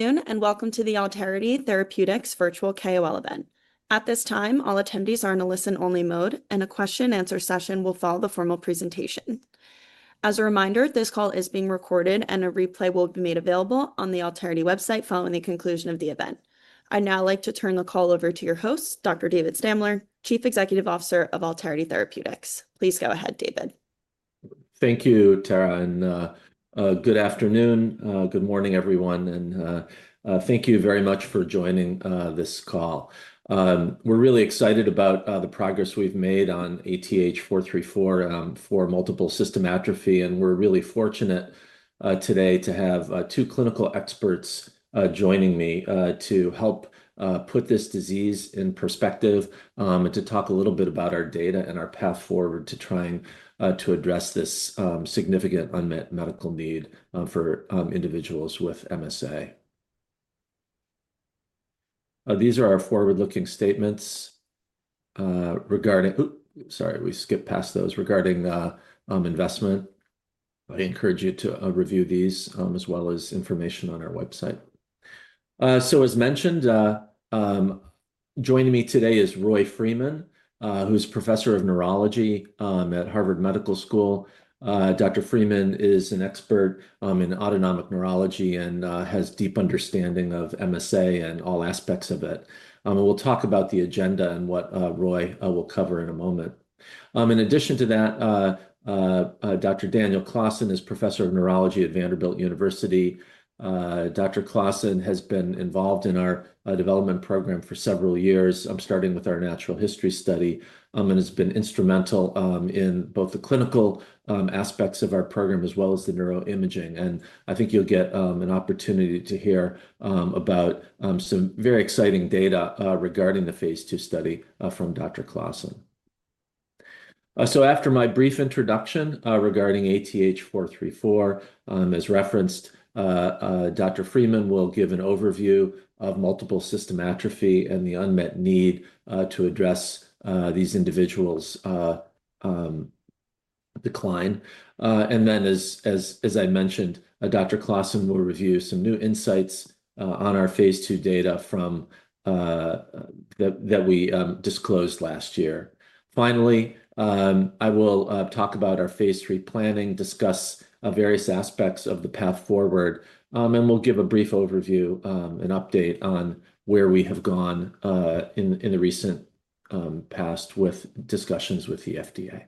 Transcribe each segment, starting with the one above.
Welcome to the Alterity Therapeutics Virtual KOL event. At this time, all attendees are in a listen only mode, and a question answer session will follow the formal presentation. As a reminder, this call is being recorded and a replay will be made available on the Alterity website following the conclusion of the event. I'd now like to turn the call over to your host, Dr. David Stamler, Chief Executive Officer of Alterity Therapeutics. Please go ahead, David. Thank you, Tara, and good afternoon, good morning, everyone. Thank you very much for joining this call. We're really excited about the progress we've made on ATH434 for multiple system atrophy. We're really fortunate today to have two clinical experts joining me to help put this disease in perspective, to talk a little bit about our data and our path forward to trying to address this significant unmet medical need for individuals with MSA. These are our forward-looking statements regarding investment. Oh, sorry, we skipped past those. I encourage you to review these as well as information on our website. As mentioned, joining me today is Roy Freeman, who's Professor of Neurology at Harvard Medical School. Dr. Freeman is an expert in autonomic neurology and has deep understanding of MSA and all aspects of it. We'll talk about the agenda and what Roy will cover in a moment. In addition to that, Dr. Daniel Claassen is Professor of Neurology at Vanderbilt University. Dr. Claassen has been involved in our development program for several years, starting with our natural history study, and has been instrumental in both the clinical aspects of our program as well as the neuroimaging. I think you'll get an opportunity to hear about some very exciting data regarding the phase II study from Dr. Claassen. After my brief introduction, regarding ATH434, as referenced, Dr. Freeman will give an overview of multiple system atrophy and the unmet need to address these individuals' decline. Then as I mentioned, Dr. Claassen will review some new insights on our phase II data from that we disclosed last year. Finally, I will talk about our phase III planning, discuss various aspects of the path forward. We'll give a brief overview and update on where we have gone in the recent past with discussions with the FDA.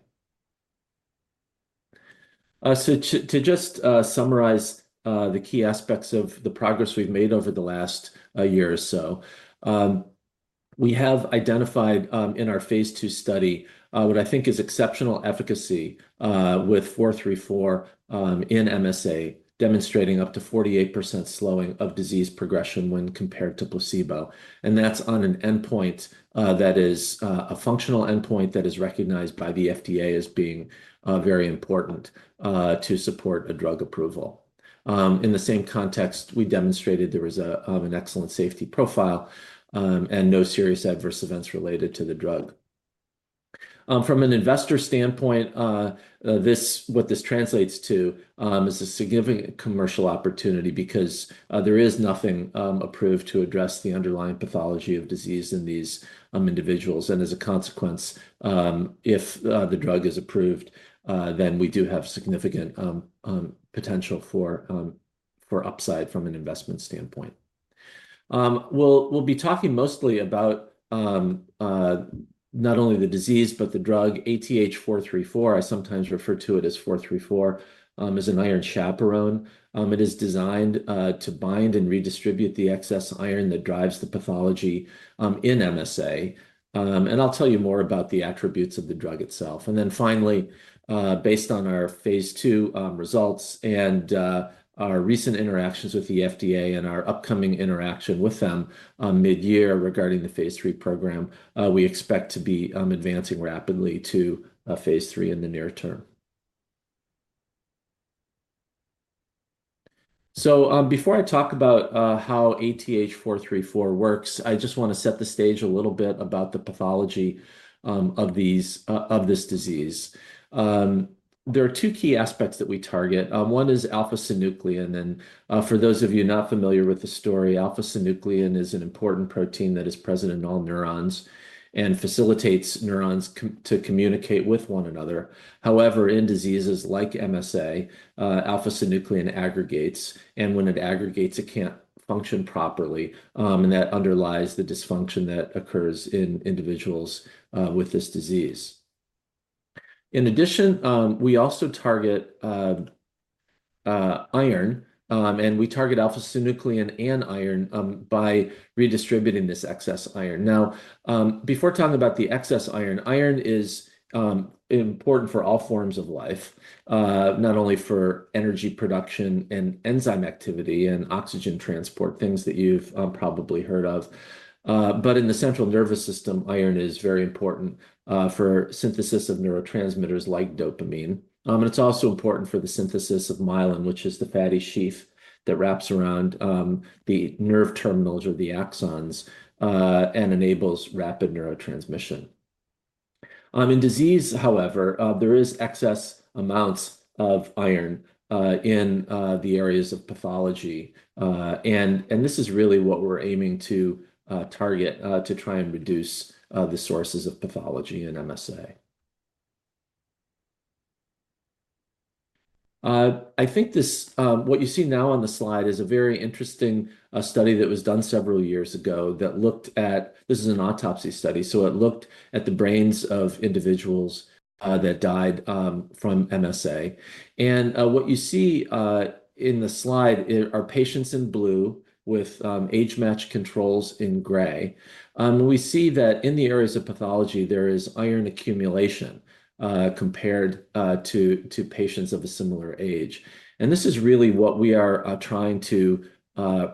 To just summarize the key aspects of the progress we've made over the last year or so. We have identified in our phase II study what I think is exceptional efficacy with 434 in MSA, demonstrating up to 48% slowing of disease progression when compared to placebo. That's on an endpoint that is a functional endpoint that is recognized by the FDA as being very important to support a drug approval. In the same context, we demonstrated there was an excellent safety profile and no serious adverse events related to the drug. From an investor standpoint, this, what this translates to, is a significant commercial opportunity because there is nothing approved to address the underlying pathology of disease in these individuals. As a consequence, if the drug is approved, then we do have significant potential for upside from an investment standpoint. We'll be talking mostly about not only the disease, but the drug ATH434. I sometimes refer to it as 434. Is an iron chaperone. It is designed to bind and redistribute the excess iron that drives the pathology in MSA. I'll tell you more about the attributes of the drug itself. Finally, based on our phase II results and our recent interactions with the FDA and our upcoming interaction with them on mid-year regarding the phase III program, we expect to be advancing rapidly to phase III in the near term. Before I talk about how ATH434 works, I just wanna set the stage a little bit about the pathology of this disease. There are two key aspects that we target. One is alpha-synuclein. For those of you not familiar with the story, alpha-synuclein is an important protein that is present in all neurons and facilitates neurons to communicate with one another. However, in diseases like MSA, alpha-synuclein aggregates, and when it aggregates, it can't function properly. That underlies the dysfunction that occurs in individuals with this disease. In addition, we also target iron, and we target alpha-synuclein and iron by redistributing this excess iron. Now, before talking about the excess iron is important for all forms of life, not only for energy production and enzyme activity and oxygen transport, things that you've probably heard of. In the central nervous system, iron is very important for synthesis of neurotransmitters like dopamine. It's also important for the synthesis of myelin, which is the fatty sheath that wraps around the nerve terminals or the axons, and enables rapid neurotransmission. In disease, however, there is excess amounts of iron in the areas of pathology. This is really what we're aiming to target to try and reduce the sources of pathology in MSA. I think this, what you see now on the slide is a very interesting study that was done several years ago that looked at. This is an autopsy study, so it looked at the brains of individuals that died from MSA. What you see in the slide are patients in blue with age-matched controls in gray. We see that in the areas of pathology, there is iron accumulation compared to patients of a similar age. This is really what we are trying to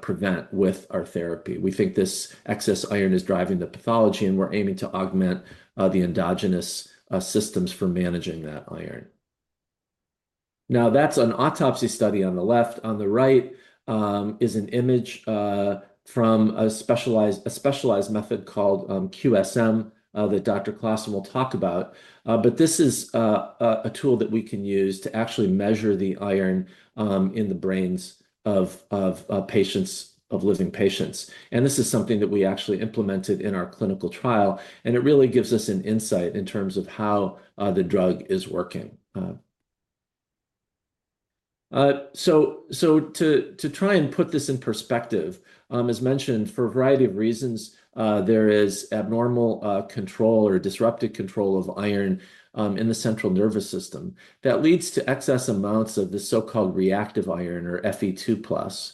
prevent with our therapy. We think this excess iron is driving the pathology, and we're aiming to augment the endogenous systems for managing that iron. That's an autopsy study on the left. On the right, is an image, from a specialized method called QSM, that Dr. Claassen will talk about. This is a tool that we can use to actually measure the iron in the brains of patients, of living patients. This is something that we actually implemented in our clinical trial, and it really gives us an insight in terms of how the drug is working. To try and put this in perspective, as mentioned, for a variety of reasons, there is abnormal control or disrupted control of iron in the central nervous system that leads to excess amounts of the so-called reactive iron or Fe2+.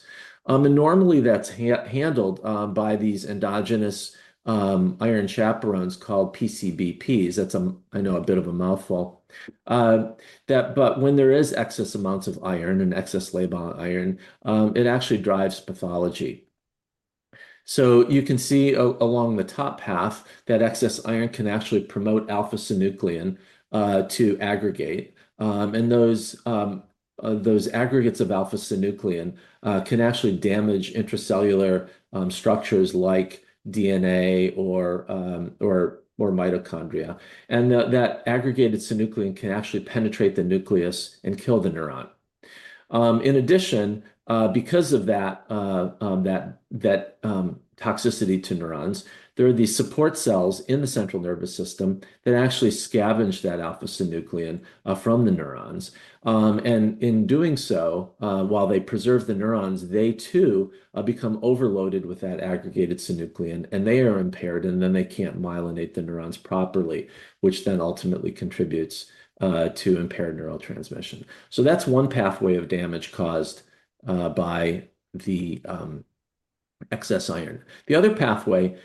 Normally that's handled by these endogenous iron chaperones called PCBPs. That's, I know, a bit of a mouthful. When there is excess amounts of iron and excess labile iron, it actually drives pathology. You can see along the top path that excess iron can actually promote alpha-synuclein to aggregate. Those aggregates of alpha-synuclein can actually damage intracellular structures like DNA or mitochondria. That aggregated synuclein can actually penetrate the nucleus and kill the neuron. In addition, because of that toxicity to neurons, there are these support cells in the central nervous system that actually scavenge that alpha-synuclein from the neurons. In doing so, while they preserve the neurons, they too become overloaded with that aggregated synuclein, and they are impaired, and they can't myelinate the neurons properly, which ultimately contributes to impaired neural transmission. That's one pathway of damage caused by the excess iron. The other pathway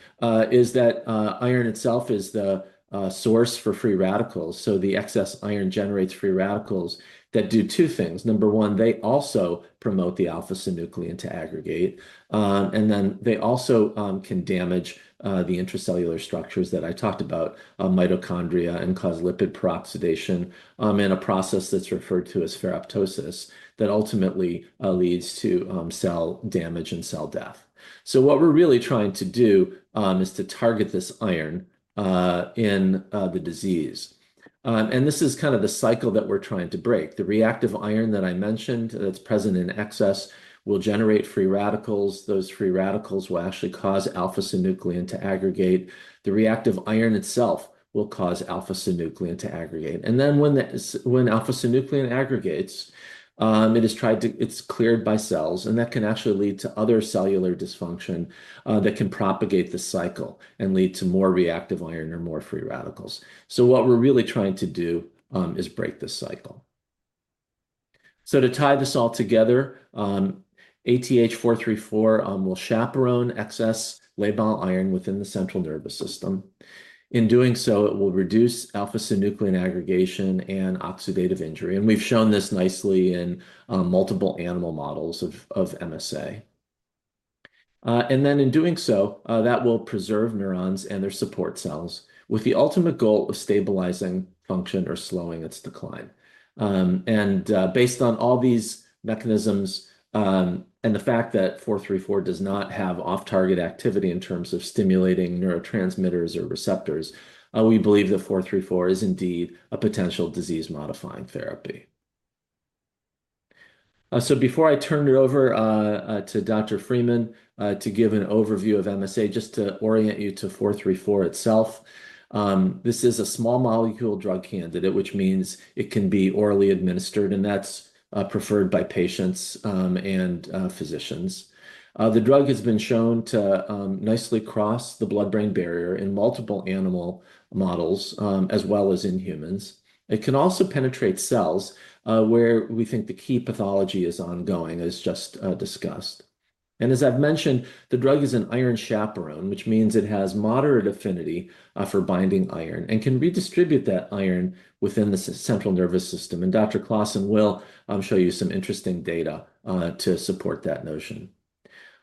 is that iron itself is the source for free radicals. The excess iron generates free radicals that do two things. Number one, they also promote the alpha-synuclein to aggregate. They also can damage the intracellular structures that I talked about, mitochondria, and cause lipid peroxidation in a process that's referred to as ferroptosis that ultimately leads to cell damage and cell death. What we're really trying to do is to target this iron in the disease. This is kind of the cycle that we're trying to break. The reactive iron that I mentioned that's present in excess will generate free radicals. Those free radicals will actually cause alpha-synuclein to aggregate. The reactive iron itself will cause alpha-synuclein to aggregate. Then when alpha-synuclein aggregates, It's cleared by cells, and that can actually lead to other cellular dysfunction that can propagate the cycle and lead to more reactive iron or more free radicals. What we're really trying to do is break this cycle. To tie this all together, ATH434 will chaperone excess labile iron within the central nervous system. In doing so, it will reduce alpha-synuclein aggregation and oxidative injury. We've shown this nicely in multiple animal models of MSA. In doing so, that will preserve neurons and their support cells with the ultimate goal of stabilizing function or slowing its decline. Based on all these mechanisms, and the fact that 434 does not have off-target activity in terms of stimulating neurotransmitters or receptors, we believe that 434 is indeed a potential disease-modifying therapy. Before I turn it over to Dr. Freeman to give an overview of MSA, just to orient you to 434 itself, this is a small molecule drug candidate, which means it can be orally administered, and that's preferred by patients and physicians. The drug has been shown to nicely cross the blood-brain barrier in multiple animal models as well as in humans. It can also penetrate cells, where we think the key pathology is ongoing, as just discussed. As I've mentioned, the drug is an iron chaperone, which means it has moderate affinity for binding iron and can redistribute that iron within the central nervous system. Dr. Claassen will show you some interesting data to support that notion.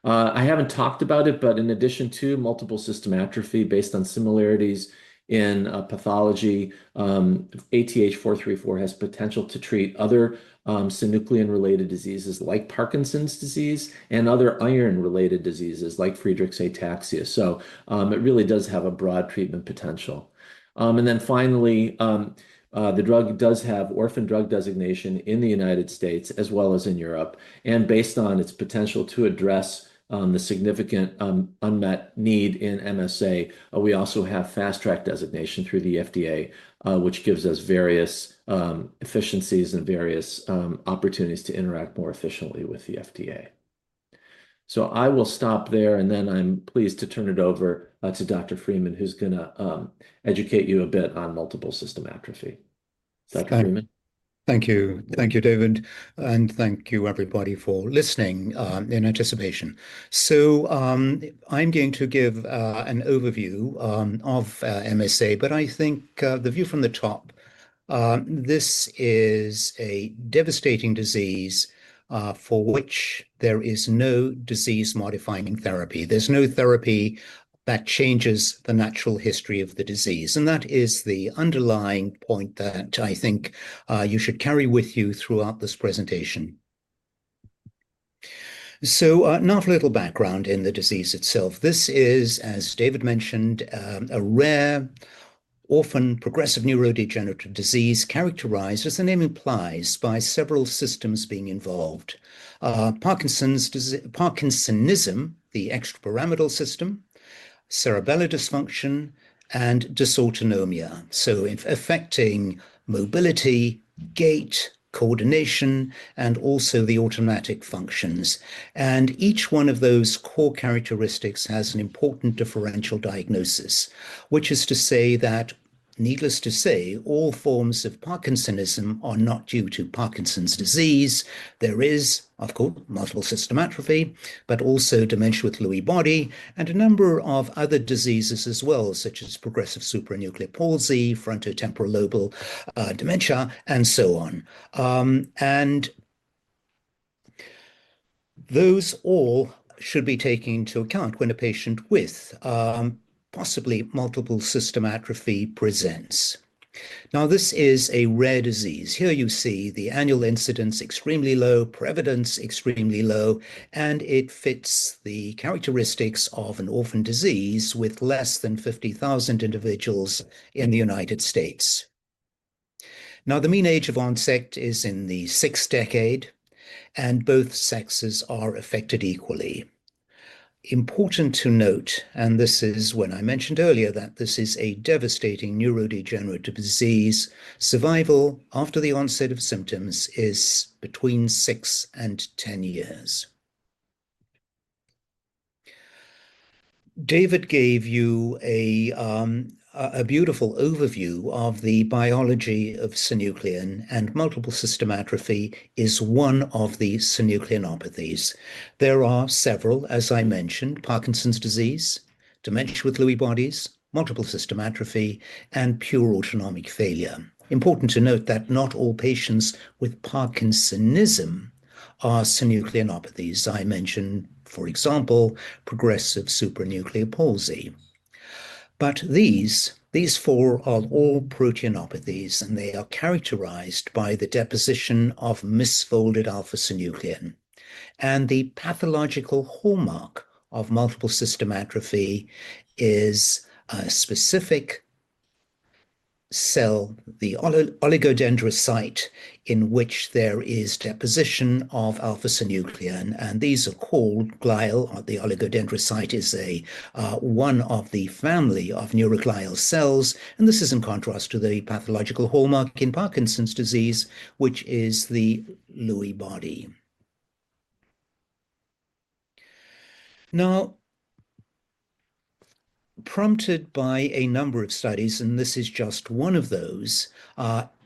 I haven't talked about it, but in addition to multiple system atrophy based on similarities in pathology, ATH434 has potential to treat other synuclein related diseases like Parkinson's disease and other iron related diseases like Friedreich's ataxia. It really does have a broad treatment potential. Finally, the drug does have orphan drug designation in the United States as well as in Europe. Based on its potential to address the significant unmet need in MSA, we also have Fast Track designation through the FDA, which gives us various efficiencies and various opportunities to interact more efficiently with the FDA. I will stop there, and then I'm pleased to turn it over to Dr. Freeman, who's gonna educate you a bit on multiple system atrophy. Dr. Freeman. Thank you. Thank you, David. Thank you everybody for listening in anticipation. I'm going to give an overview of MSA, I think the view from the top, this is a devastating disease for which there is no disease modifying therapy. There's no therapy that changes the natural history of the disease, that is the underlying point that I think you should carry with you throughout this presentation. Now for a little background in the disease itself. This is, as David mentioned, a rare orphan progressive neurodegenerative disease characterized, as the name implies, by several systems being involved. Parkinsonism, the extrapyramidal system, cerebellar dysfunction, and dysautonomia. Affecting mobility, gait, coordination, and also the automatic functions. Each one of those core characteristics has an important differential diagnosis, which is to say that needless to say, all forms of parkinsonism are not due to Parkinson's disease. There is, of course, multiple system atrophy, but also dementia with Lewy body and a number of other diseases as well, such as progressive supranuclear palsy, frontotemporal lobar dementia, and so on. Those all should be taken into account when a patient with possibly multiple system atrophy presents. This is a rare disease. Here you see the annual incidence extremely low, prevalence extremely low, and it fits the characteristics of an orphan disease with less than 50,000 individuals in the U.S. The mean age of onset is in the sixth decade, and both sexes are affected equally. Important to note, and this is when I mentioned earlier that this is a devastating neurodegenerative disease, survival after the onset of symptoms is between six and 10 years. David gave you a beautiful overview of the biology of synuclein. Multiple system atrophy is one of the synucleinopathies. There are several, as I mentioned, Parkinson's disease, dementia with Lewy bodies, multiple system atrophy, and pure autonomic failure. Important to note that not all patients with parkinsonism are synucleinopathies. I mentioned, for example, progressive supranuclear palsy. These four are all proteinopathies, and they are characterized by the deposition of misfolded alpha-synuclein. The pathological hallmark of multiple system atrophy is a specific cell, the oligodendrocyte, in which there is deposition of alpha-synuclein, and these are called glial. The oligodendrocyte is one of the family of neuroglial cells. This is in contrast to the pathological hallmark in Parkinson's disease, which is the Lewy body. Prompted by a number of studies, and this is just one of those,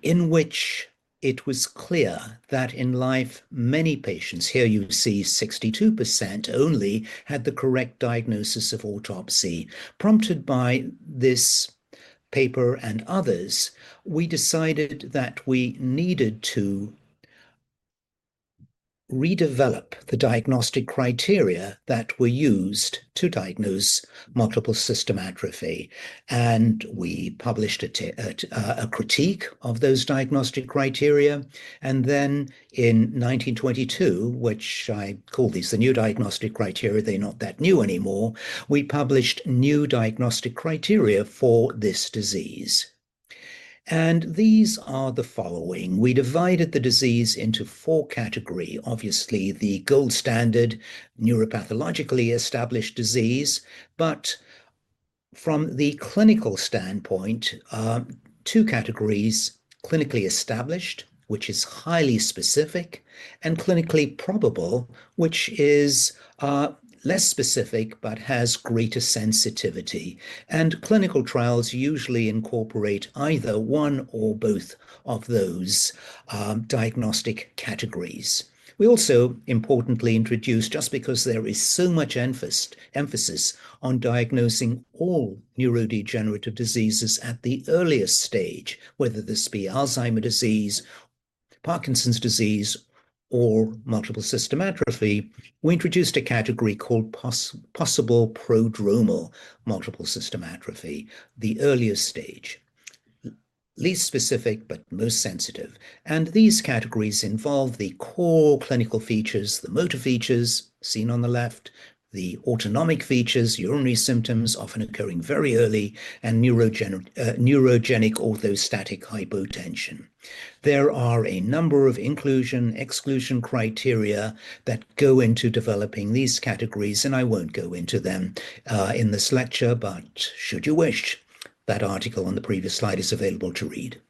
in which it was clear that in life, many patients, here you see 62% only had the correct diagnosis of autopsy. Prompted by this paper and others, we decided that we needed to redevelop the diagnostic criteria that were used to diagnose multiple system atrophy. We published a critique of those diagnostic criteria. In 2022, which I call these the new diagnostic criteria, they're not that new anymore, we published new diagnostic criteria for this disease. These are the following. We divided the disease into four category. Obviously, the gold standard, neuropathologically established disease. But from the clinical standpoint, two categories, clinically established, which is highly specific, and clinically probable, which is less specific, but has greater sensitivity. Clinical trials usually incorporate either one or both of those diagnostic categories. We also importantly introduced, just because there is so much emphasis on diagnosing all neurodegenerative diseases at the earliest stage, whether this be Alzheimer's disease or Parkinson's disease or multiple system atrophy, we introduced a category called possible prodromal multiple system atrophy, the earliest stage. Least specific but most sensitive. These categories involve the core clinical features, the motor features seen on the left, the autonomic features, urinary symptoms often occurring very early, and neurogenic orthostatic hypotension. There are a number of inclusion/exclusion criteria that go into developing these categories. I won't go into them in this lecture, should you wish, that article on the previous slide is available to read.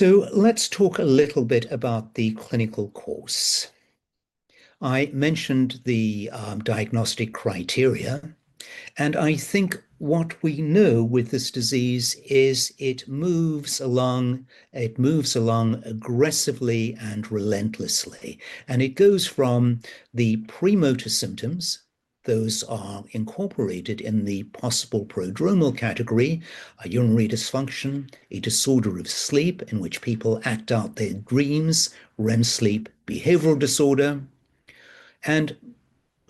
Let's talk a little bit about the clinical course. I mentioned the diagnostic criteria. I think what we know with this disease is it moves along, it moves along aggressively and relentlessly. It goes from the premotor symptoms, those are incorporated in the possible prodromal category, a urinary dysfunction, a disorder of sleep in which people act out their dreams, REM sleep behavior disorder, and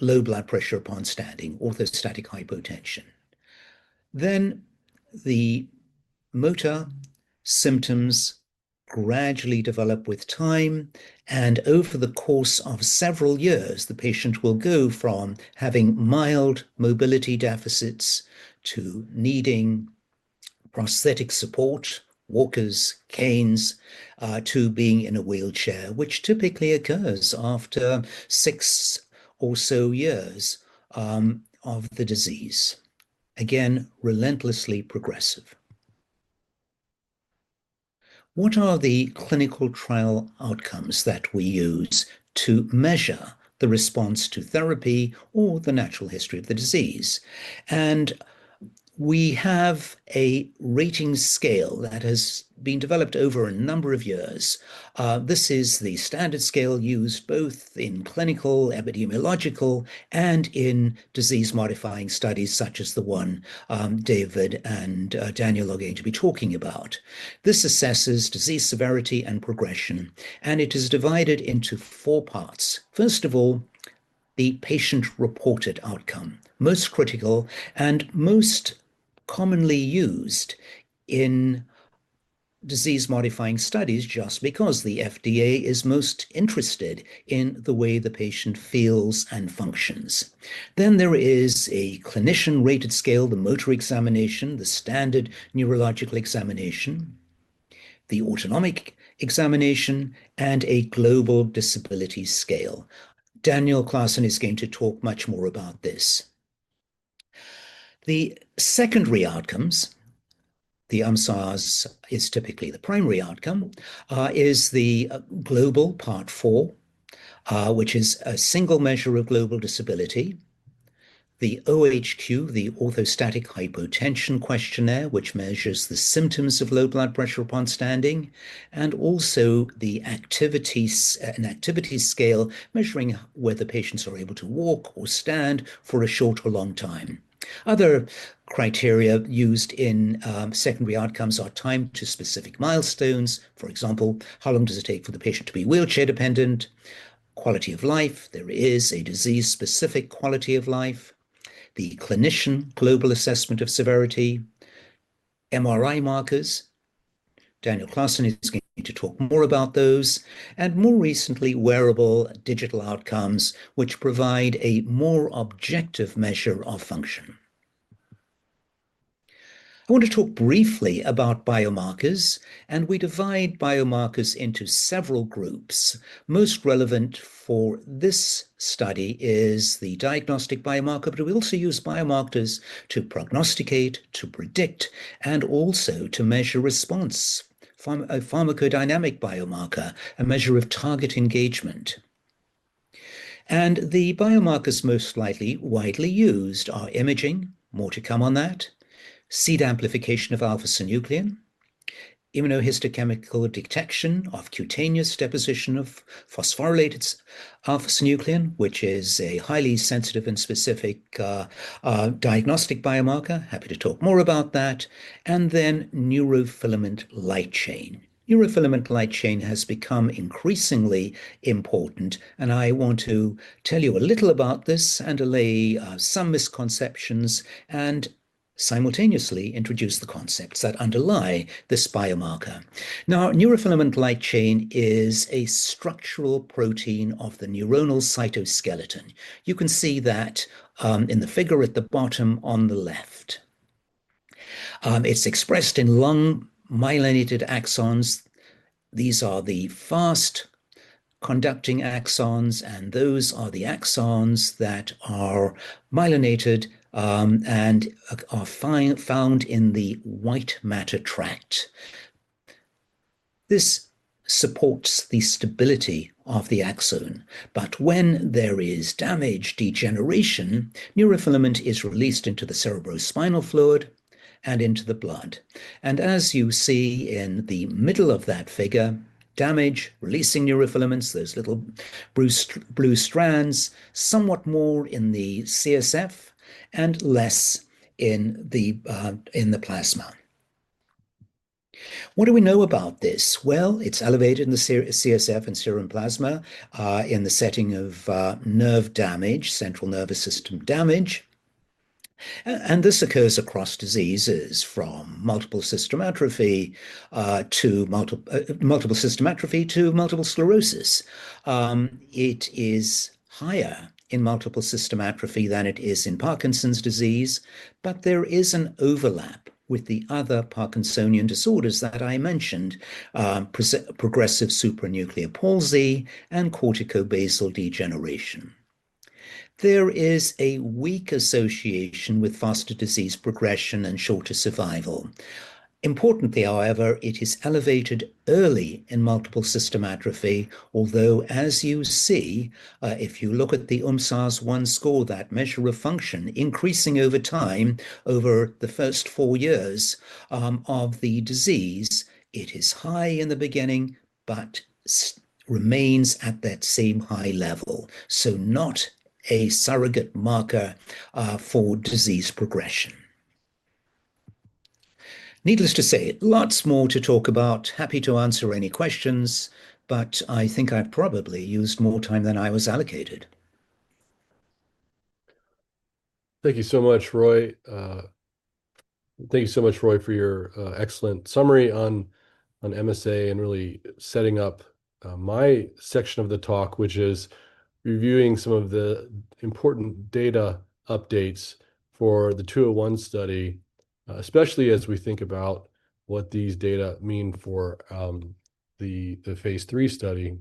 low blood pressure upon standing, orthostatic hypotension. The motor symptoms gradually develop with time, and over the course of several years, the patient will go from having mild mobility deficits to needing prosthetic support, walkers, canes, to being in a wheelchair, which typically occurs after six or so years of the disease. Again, relentlessly progressive. What are the clinical trial outcomes that we use to measure the response to therapy or the natural history of the disease? We have a rating scale that has been developed over a number of years. This is the standard scale used both in clinical, epidemiological, and in disease-modifying studies such as the one David and Daniel are going to be talking about. This assesses disease severity and progression, and it is divided into four parts. First of all, the patient-reported outcome. Most critical and most commonly used in disease-modifying studies just because the FDA is most interested in the way the patient feels and functions. There is a clinician-rated scale, the motor examination, the standard neurological examination, the autonomic examination, and a global disability scale. Daniel Claassen is going to talk much more about this. The secondary outcomes, the UMSARS is typically the primary outcome, is the global part four, which is a single measure of global disability, the OHQ, the orthostatic hypotension questionnaire, which measures the symptoms of low blood pressure upon standing, and also the activities, an activity scale measuring whether patients are able to walk or stand for a short or long time. Other criteria used in secondary outcomes are time to specific milestones. For example, how long does it take for the patient to be wheelchair dependent? Quality of life. There is a disease-specific quality of life. The clinician global assessment of severity. MRI markers. Daniel Claassen is going to talk more about those. More recently, wearable digital outcomes, which provide a more objective measure of function. I want to talk briefly about biomarkers, we divide biomarkers into several groups. Most relevant for this study is the diagnostic biomarker, we also use biomarkers to prognosticate, to predict, and also to measure response, a pharmacodynamic biomarker, a measure of target engagement. The biomarkers most likely widely used are imaging, more to come on that, seed amplification of alpha-synuclein, immunohistochemical detection of cutaneous deposition of phosphorylates alpha-synuclein, which is a highly sensitive and specific diagnostic biomarker, happy to talk more about that, and then neurofilament light chain. Neurofilament light chain has become increasingly important. I want to tell you a little about this and allay some misconceptions and simultaneously introduce the concepts that underlie this biomarker. You can see that in the figure at the bottom on the left. It's expressed in long myelinated axons. These are the fast conducting axons, those are the axons that are myelinated and are found in the white matter tract. This supports the stability of the axon. When there is damage degeneration, neurofilament is released into the cerebrospinal fluid and into the blood. As you see in the middle of that figure, damage releasing neurofilaments, those little blue blue strands, somewhat more in the CSF and less in the plasma. What do we know about this? Well, it's elevated in the CSF and serum plasma, in the setting of nerve damage, central nervous system damage. This occurs across diseases from multiple system atrophy, to multiple system atrophy to multiple sclerosis. It is higher in multiple system atrophy than it is in Parkinson's disease, there is an overlap with the other Parkinsonian disorders that I mentioned, progressive supranuclear palsy and corticobasal degeneration. There is a weak association with faster disease progression and shorter survival. Importantly, however, it is elevated early in multiple system atrophy, although as you see, if you look at the UMSARS-I score, that measure of function increasing over time over the first four years of the disease, it is high in the beginning, but remains at that same high level. Not a surrogate marker for disease progression. Needless to say, lots more to talk about. Happy to answer any questions, but I think I've probably used more time than I was allocated. Thank you so much, Roy, for your excellent summary on MSA and really setting up my section of the talk, which is reviewing some of the important data updates for the 201 study, especially as we think about what these data mean for the phase III study.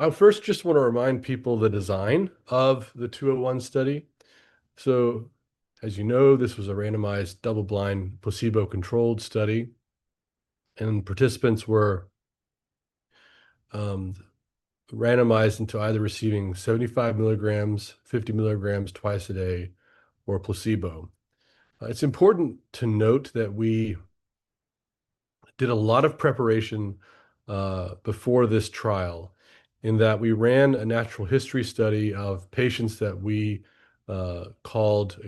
I first just wanna remind people the design of the 201 study. As you know, this was a randomized double-blind placebo-controlled study, and participants were randomized into either receiving 75 mg, 50 mg twice a day, or a placebo. It's important to note that we did a lot of preparation before this trial in that we ran a natural history study of patients that we called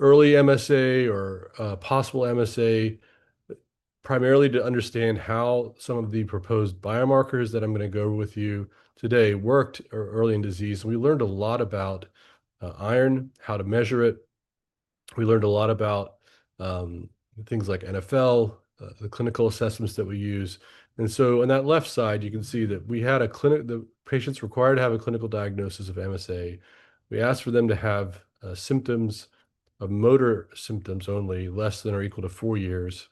early MSA or possible MSA, primarily to understand how some of the proposed biomarkers that I'm gonna go over with you today worked or early in disease. We learned a lot about iron, how to measure it. We learned a lot about things like NFL, the clinical assessments that we use. On that left side, you can see that we had The patients required to have a clinical diagnosis of MSA. We asked for them to have symptoms of motor symptoms only less than or equal to four years.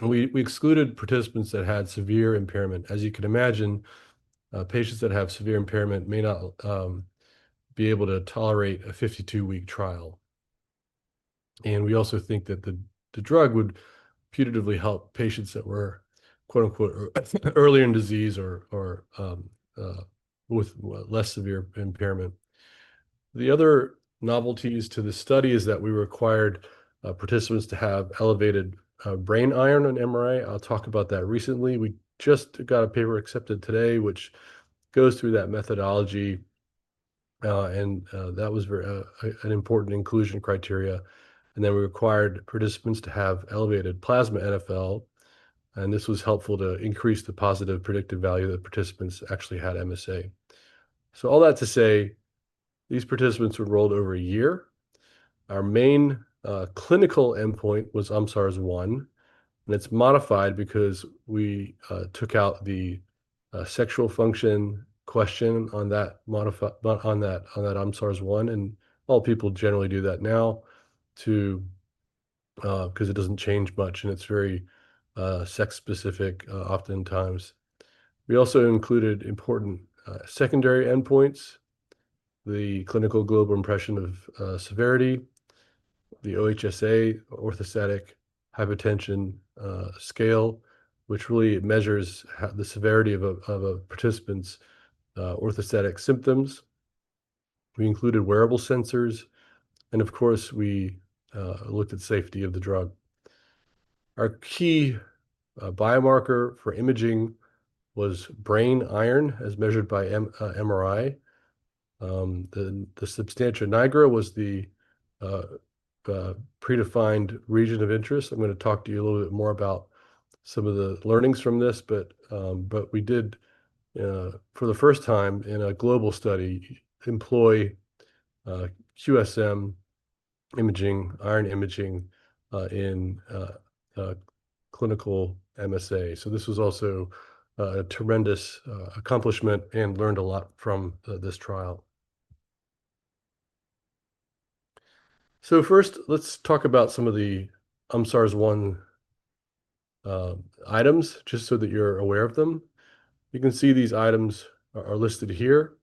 We excluded participants that had severe impairment. As you can imagine, patients that have severe impairment may not be able to tolerate a 52-week trial. We also think that the drug would putatively help patients that were, quote-unquote, early in disease or with less severe impairment. The other novelties to the study is that we required participants to have elevated brain iron on MRI. I'll talk about that recently. We just got a paper accepted today, which goes through that methodology, and that was an important inclusion criteria. We required participants to have elevated plasma NFL, and this was helpful to increase the positive predictive value that participants actually had MSA. All that to say, these participants were enrolled over a year. Our main clinical endpoint was UMSARS-I, and it's modified because we took out the sexual function question on that UMSARS-I, and all people generally do that now to 'cause it doesn't change much, and it's very sex-specific oftentimes. We also included important secondary endpoints, the Clinical Global Impression of Severity, the OHSA, orthostatic hypotension scale, which really measures the severity of a participant's orthostatic symptoms. We included wearable sensors, and of course, we looked at safety of the drug. Our key biomarker for imaging was brain iron as measured by MRI. The substantia nigra was the predefined region of interest. I'm gonna talk to you a little bit more about some of the learnings from this, we did for the first time in a global study, employ QSM imaging, iron imaging in clinical MSA. This was also a tremendous accomplishment and learned a lot from this trial. First, let's talk about some of the UMSARS-I items just so that you're aware of them. You can see these items are listed here.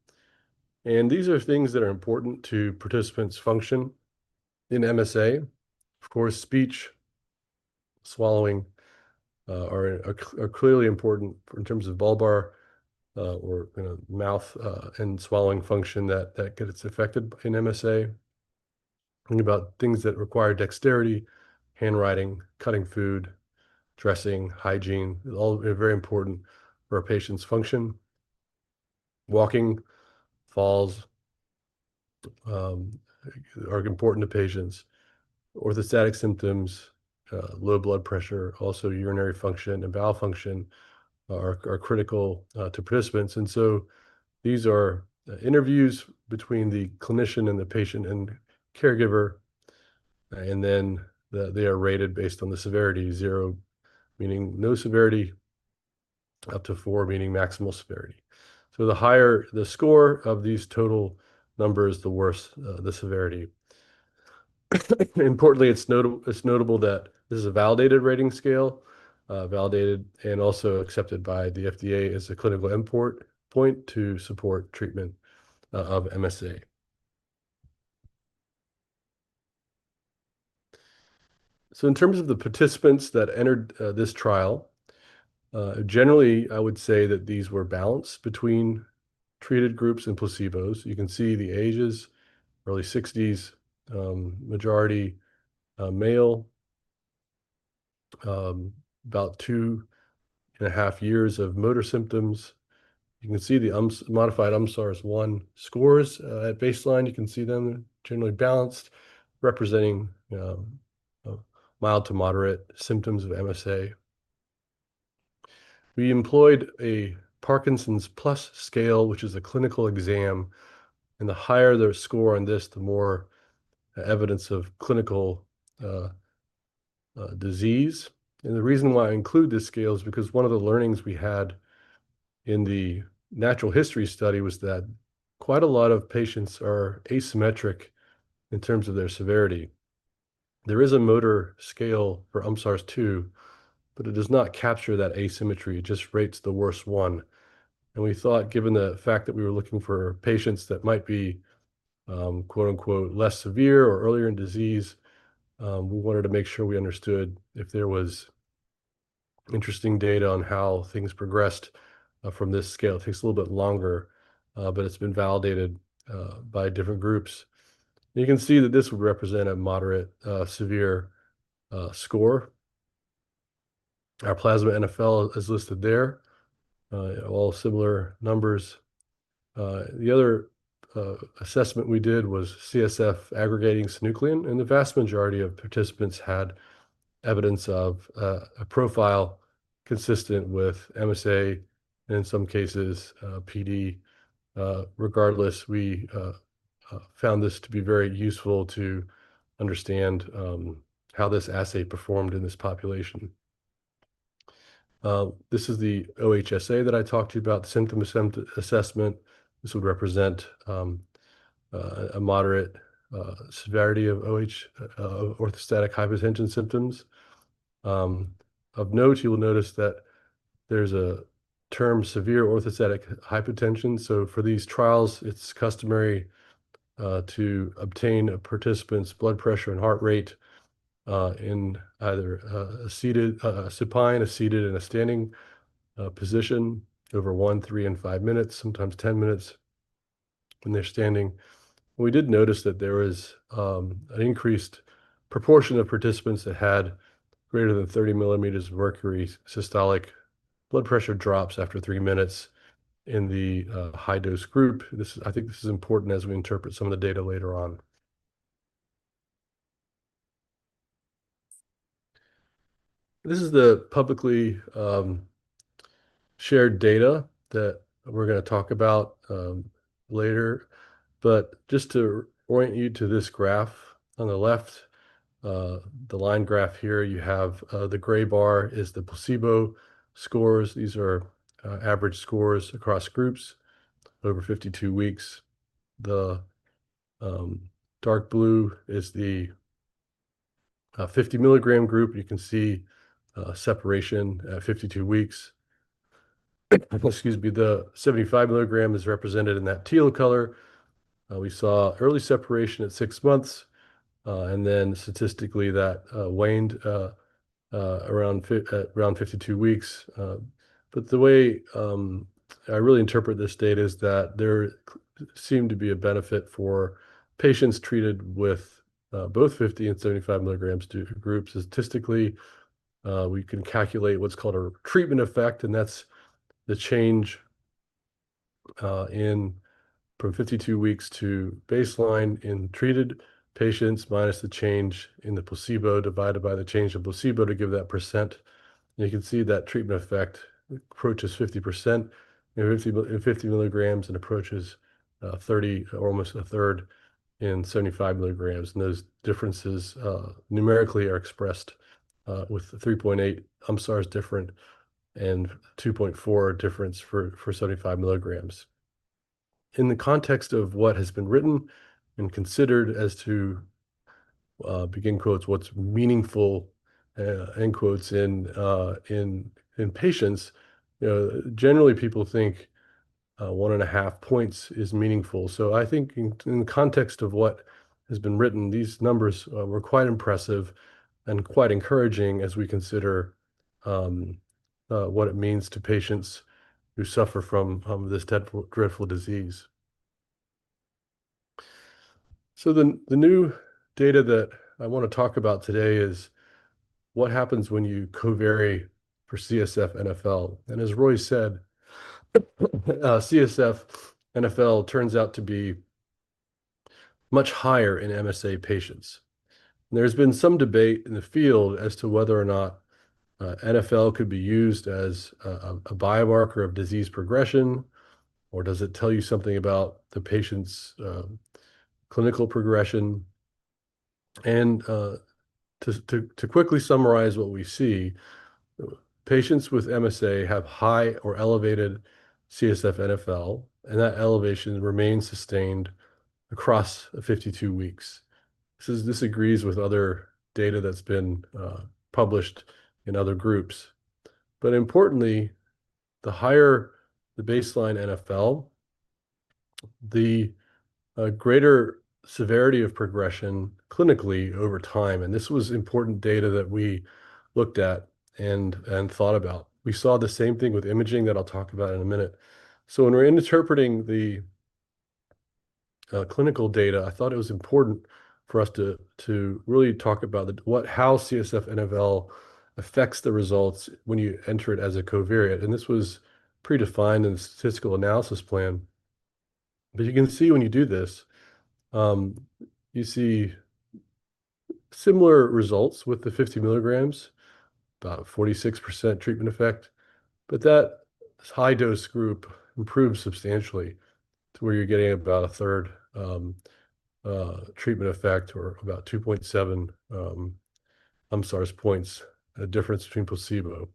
These are things that are important to participants' function in MSA. Of course, speech, swallowing are clearly important in terms of bulbar, or, you know, mouth, and swallowing function that gets affected in MSA. Think about things that require dexterity, handwriting, cutting food, dressing, hygiene. All are very important for a patient's function. Walking, falls, are important to patients. Orthostatic symptoms, low blood pressure, also urinary function and bowel function are critical to participants. These are interviews between the clinician and the patient and caregiver, and then they are rated based on the severity zero meaning no severity, up to four meaning maximal severity. The higher the score of these total numbers, the worse the severity. Importantly, it's notable that this is a validated rating scale. Validated and also accepted by the FDA as a clinical import point to support treatment of MSA. In terms of the participants that entered this trial, generally, I would say that these were balanced between treated groups and placebos. You can see the ages, early 60s. Majority male. About two and a half years of motor symptoms. You can see the modified UMSARS-I scores at baseline. You can see them generally balanced, representing mild to moderate symptoms of MSA. We employed a parkinsonism-plus scale, which is a clinical exam, and the higher their score on this, the more evidence of clinical disease. The reason why I include this scale is because one of the learnings we had in the natural history study was that quite a lot of patients are asymmetric in terms of their severity. There is a motor scale for UMSARS-II, but it does not capture that asymmetry. It just rates the worst one. We thought, given the fact that we were looking for patients that might be, quote-unquote, less severe or earlier in disease, we wanted to make sure we understood if there was interesting data on how things progressed from this scale. It takes a little bit longer, it's been validated by different groups. You can see that this would represent a moderate, severe score. Our plasma NFL is listed there. All similar numbers. The other assessment we did was CSF aggregating synuclein, and the vast majority of participants had evidence of a profile consistent with MSA, and in some cases, PD. Regardless, we found this to be very useful to understand how this assay performed in this population. This is the OHSA that I talked to you about, the symptom assessment. This would represent a moderate severity of OH, orthostatic hypotension symptoms. Of note, you will notice that there's a term severe orthostatic hypotension. For these trials, it's customary to obtain a participant's blood pressure and heart rate in either a supine, a seated, and a standing position over one, three, and five minutes, sometimes 10 minutes when they're standing. We did notice that there was an increased proportion of participants that had greater than 30 millimeters of mercury systolic blood pressure drops after three minutes in the high-dose group. I think this is important as we interpret some of the data later on. This is the publicly shared data that we're gonna talk about later. Just to orient you to this graph, on the left, the line graph here, you have, the gray bar is the placebo scores. These are, average scores across groups over 52 weeks. The, dark blue is the, 50 mg group. You can see, separation at 52 weeks. Excuse me. The 75 mg is represented in that teal color. We saw early separation at six months, and then statistically that waned at around 52 weeks. The way, I really interpret this data is that there seemed to be a benefit for patients treated with, both 50 mg and 75 mg dosaged groups. Statistically, we can calculate what's called a treatment effect, and that's the change from 52 weeks to baseline in treated patients, minus the change in the placebo, divided by the change in placebo to give that percent. You can see that treatment effect approaches 50% in 50 mg and approaches 30, almost a 1/3, in 75 mg. Those differences numerically are expressed with a 3.8 UMSARS different and 2.4 difference for 75 mg. In the context of what has been written and considered as to begin quotes, "what's meaningful," end quotes, in patients, you know, generally people think 1.5 points is meaningful. I think in the context of what has been written, these numbers were quite impressive and quite encouraging as we consider what it means to patients who suffer from this dreadful disease. The new data that I wanna talk about today is what happens when you covary for CSF-NFL. As Roy said, CSF-NFL turns out to be much higher in MSA patients. There's been some debate in the field as to whether or not NFL could be used as a biomarker of disease progression, or does it tell you something about the patient's clinical progression. To quickly summarize what we see, patients with MSA have high or elevated CSF-NFL, and that elevation remains sustained across the 52 weeks. This agrees with other data that's been published in other groups. Importantly, the higher the baseline NFL, the greater severity of progression clinically over time. This was important data that we looked at and thought about. We saw the same thing with imaging that I'll talk about in a minute. When we're interpreting the clinical data, I thought it was important for us to really talk about how CSF-NFL affects the results when you enter it as a covariate. This was predefined in the statistical analysis plan. You can see when you do this, you see similar results with the 50 mg, about 46% treatment effect. That high dose group improved substantially to where you're getting about a 1/3 treatment effect or about 2.7 UMSARS points difference between placebo.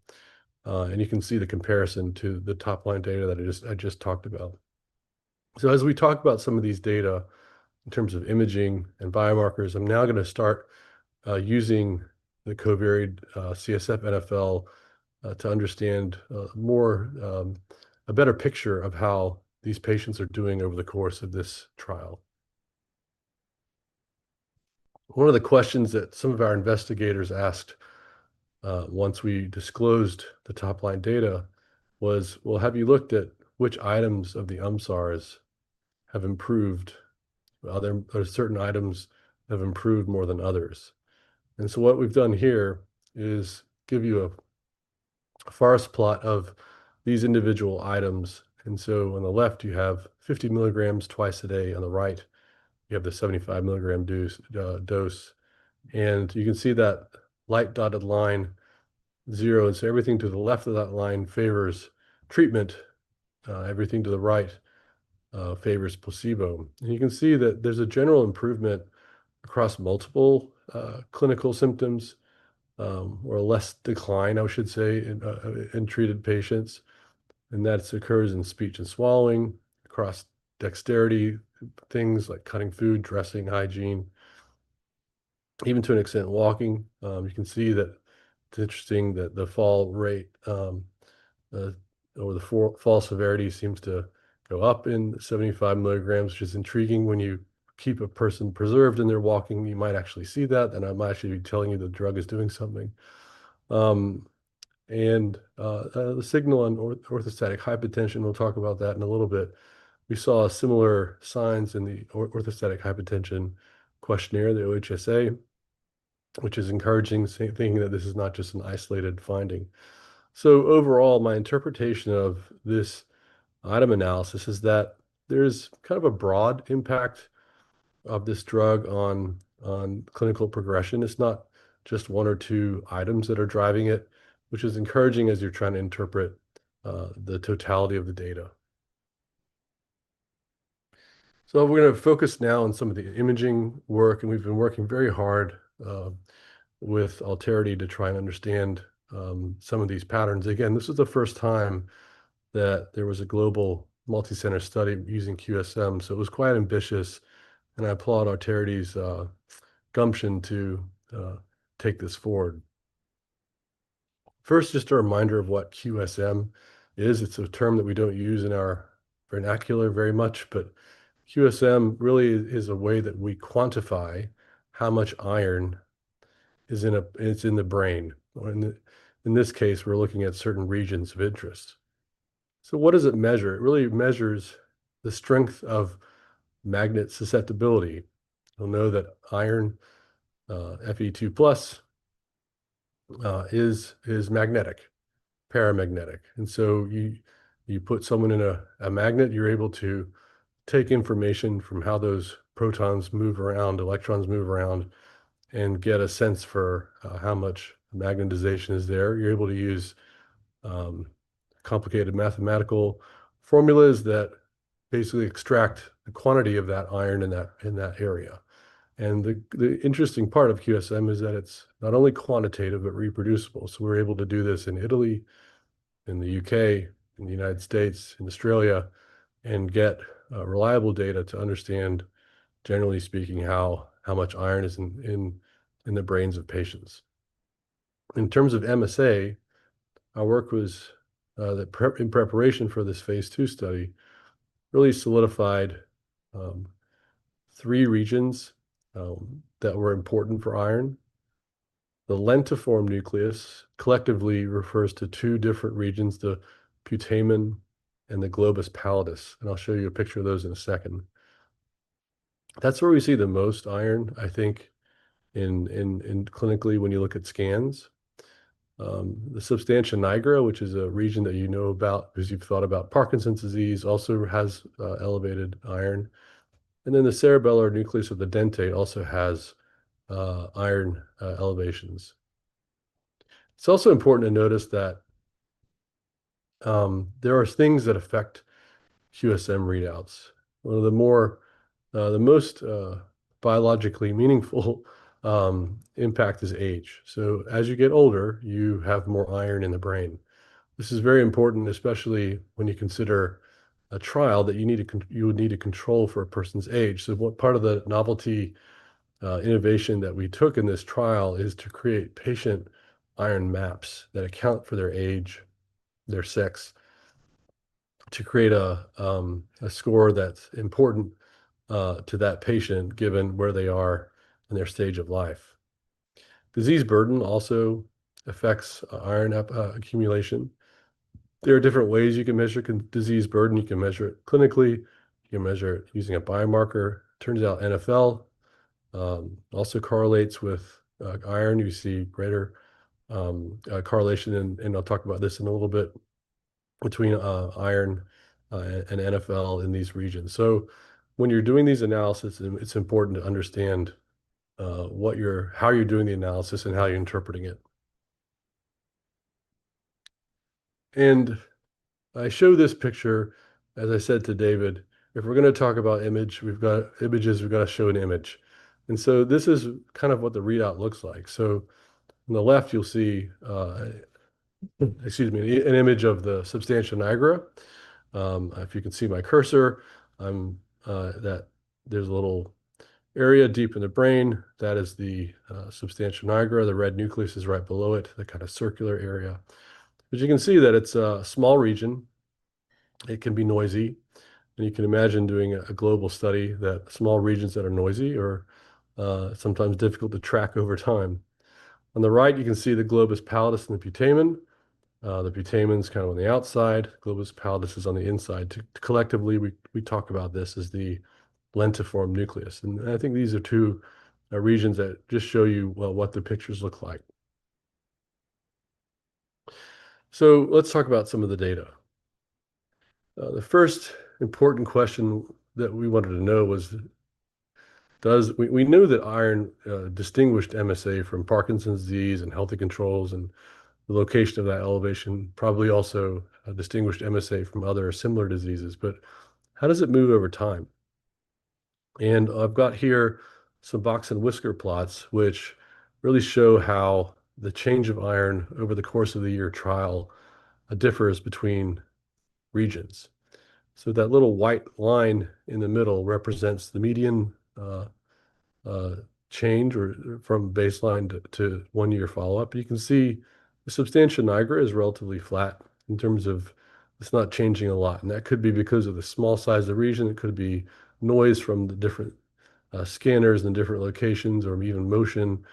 You can see the comparison to the top line data that I just talked about. As we talk about some of these data in terms of imaging and biomarkers, I'm now gonna start using the covariate, CSF-NFL, to understand more, a better picture of how these patients are doing over the course of this trial. One of the questions that some of our investigators asked, once we disclosed the top line data was, "Well, have you looked at which items of the UMSARS have improved? Are there certain items have improved more than others?" What we've done here is give you a forest plot of these individual items. On the left, you have 50 mg twice a day. On the right, you have the 75 mg dose. You can see that light dotted line zero. Everything to the left of that line favors treatment, everything to the right favors placebo. You can see that there's a general improvement across multiple clinical symptoms, or less decline, I should say, in treated patients. That occurs in speech and swallowing, across dexterity, things like cutting food, dressing, hygiene, even to an extent, walking. You can see that it's interesting that the fall rate, or the fall severity seems to go up in 75 mg, which is intriguing. When you keep a person preserved and they're walking, you might actually see that, then I might actually be telling you the drug is doing something. The signal on orthostatic hypotension, we'll talk about that in a little bit. We saw similar signs in the orthostatic hypotension questionnaire, the OHSA, which is encouraging, thinking that this is not just an isolated finding. Overall, my interpretation of this item analysis is that there's kind of a broad impact of this drug on clinical progression. It's not just one or two items that are driving it, which is encouraging as you're trying to interpret the totality of the data. We're gonna focus now on some of the imaging work, and we've been working very hard with Alterity to try and understand some of these patterns. Again, this is the first time that there was a global multi-center study using QSM, it was quite ambitious, and I applaud Alterity's gumption to take this forward. First, just a reminder of what QSM is. It's a term that we don't use in our vernacular very much, but QSM really is a way that we quantify how much iron is in the brain. In this case, we're looking at certain regions of interest. What does it measure? It really measures the strength of magnet susceptibility. You'll know that iron, Fe2+, is magnetic, paramagnetic. You put someone in a magnet, you're able to take information from how those protons move around, electrons move around, and get a sense for how much magnetization is there. You're able to use complicated mathematical formulas that basically extract the quantity of that iron in that area. The interesting part of QSM is that it's not only quantitative, but reproducible. We're able to do this in Italy, in the U.K., in the United States, in Australia, and get reliable data to understand, generally speaking, how much iron is in the brains of patients. In terms of MSA, our work was in preparation for this phase II study, really solidified three regions that were important for iron. The lentiform nucleus collectively refers to two different regions, the putamen and the globus pallidus, and I'll show you a picture of those in a second. That's where we see the most iron, I think, clinically when you look at scans. The substantia nigra, which is a region that you know about as you've thought about Parkinson's disease, also has elevated iron. The cerebellar nucleus of the dentate also has iron elevations. It's also important to notice that there are things that affect QSM readouts. One of the most biologically meaningful impact is age. As you get older, you have more iron in the brain. This is very important, especially when you consider a trial that you would need to control for a person's age. What part of the novelty, innovation that we took in this trial is to create patient iron maps that account for their age, their sex, to create a score that's important to that patient given where they are in their stage of life. Disease burden also affects iron accumulation. There are different ways you can measure disease burden. You can measure it clinically. You can measure it using a biomarker. Turns out NFL also correlates with iron. You see greater correlation, and I'll talk about this in a little bit, between iron and NFL in these regions. When you're doing these analysis, it's important to understand how you're doing the analysis and how you're interpreting it. I show this picture, as I said to David, if we're gonna talk about image, we've got images, we've gotta show an image. This is kind of what the readout looks like. On the left, you'll see, excuse me, an image of the substantia nigra. If you can see my cursor, that there's a little area deep in the brain. That is the substantia nigra. The red nucleus is right below it, the kind of circular area. You can see that it's a small region. It can be noisy, and you can imagine doing a global study that small regions that are noisy are sometimes difficult to track over time. On the right, you can see the globus pallidus and the putamen. The putamen's kind of on the outside. Globus pallidus is on the inside. Collectively, we talk about this as the lentiform nucleus. I think these are two regions that just show you, well, what the pictures look like. Let's talk about some of the data. The first important question that we wanted to know. We knew that iron distinguished MSA from Parkinson's disease and healthy controls, and the location of that elevation probably also distinguished MSA from other similar diseases. How does it move over time? I've got here some box and whisker plots which really show how the change of iron over the course of the year trial differs between regions. That little white line in the middle represents the median change or, from baseline to one year follow-up. You can see the substantia nigra is relatively flat in terms of it's not changing a lot, and that could be because of the small size of the region. It could be noise from the different scanners and different locations or even motion.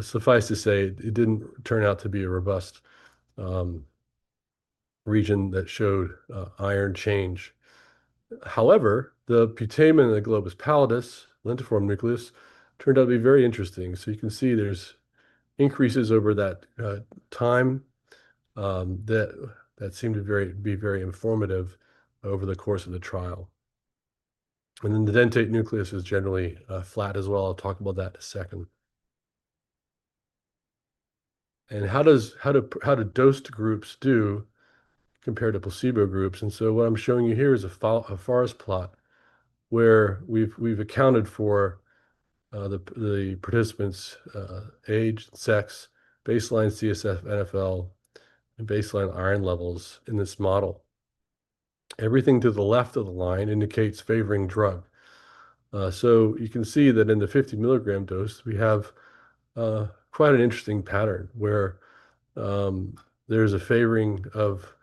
Suffice to say, it didn't turn out to be a robust region that showed iron change. However, the putamen and the globus pallidus, lentiform nucleus turned out to be very interesting. You can see there's increases over that time that seemed to be very informative over the course of the trial. The dentate nucleus is generally flat as well. I'll talk about that in a second. How do dosed groups do compared to placebo groups? What I'm showing you here is a forest plot where we've accounted for the participants' age, sex, baseline CSF, NFL, and baseline iron levels in this model. Everything to the left of the line indicates favoring drug. You can see that in the 50 mg dose, we have quite an interesting pattern where there's a favoring of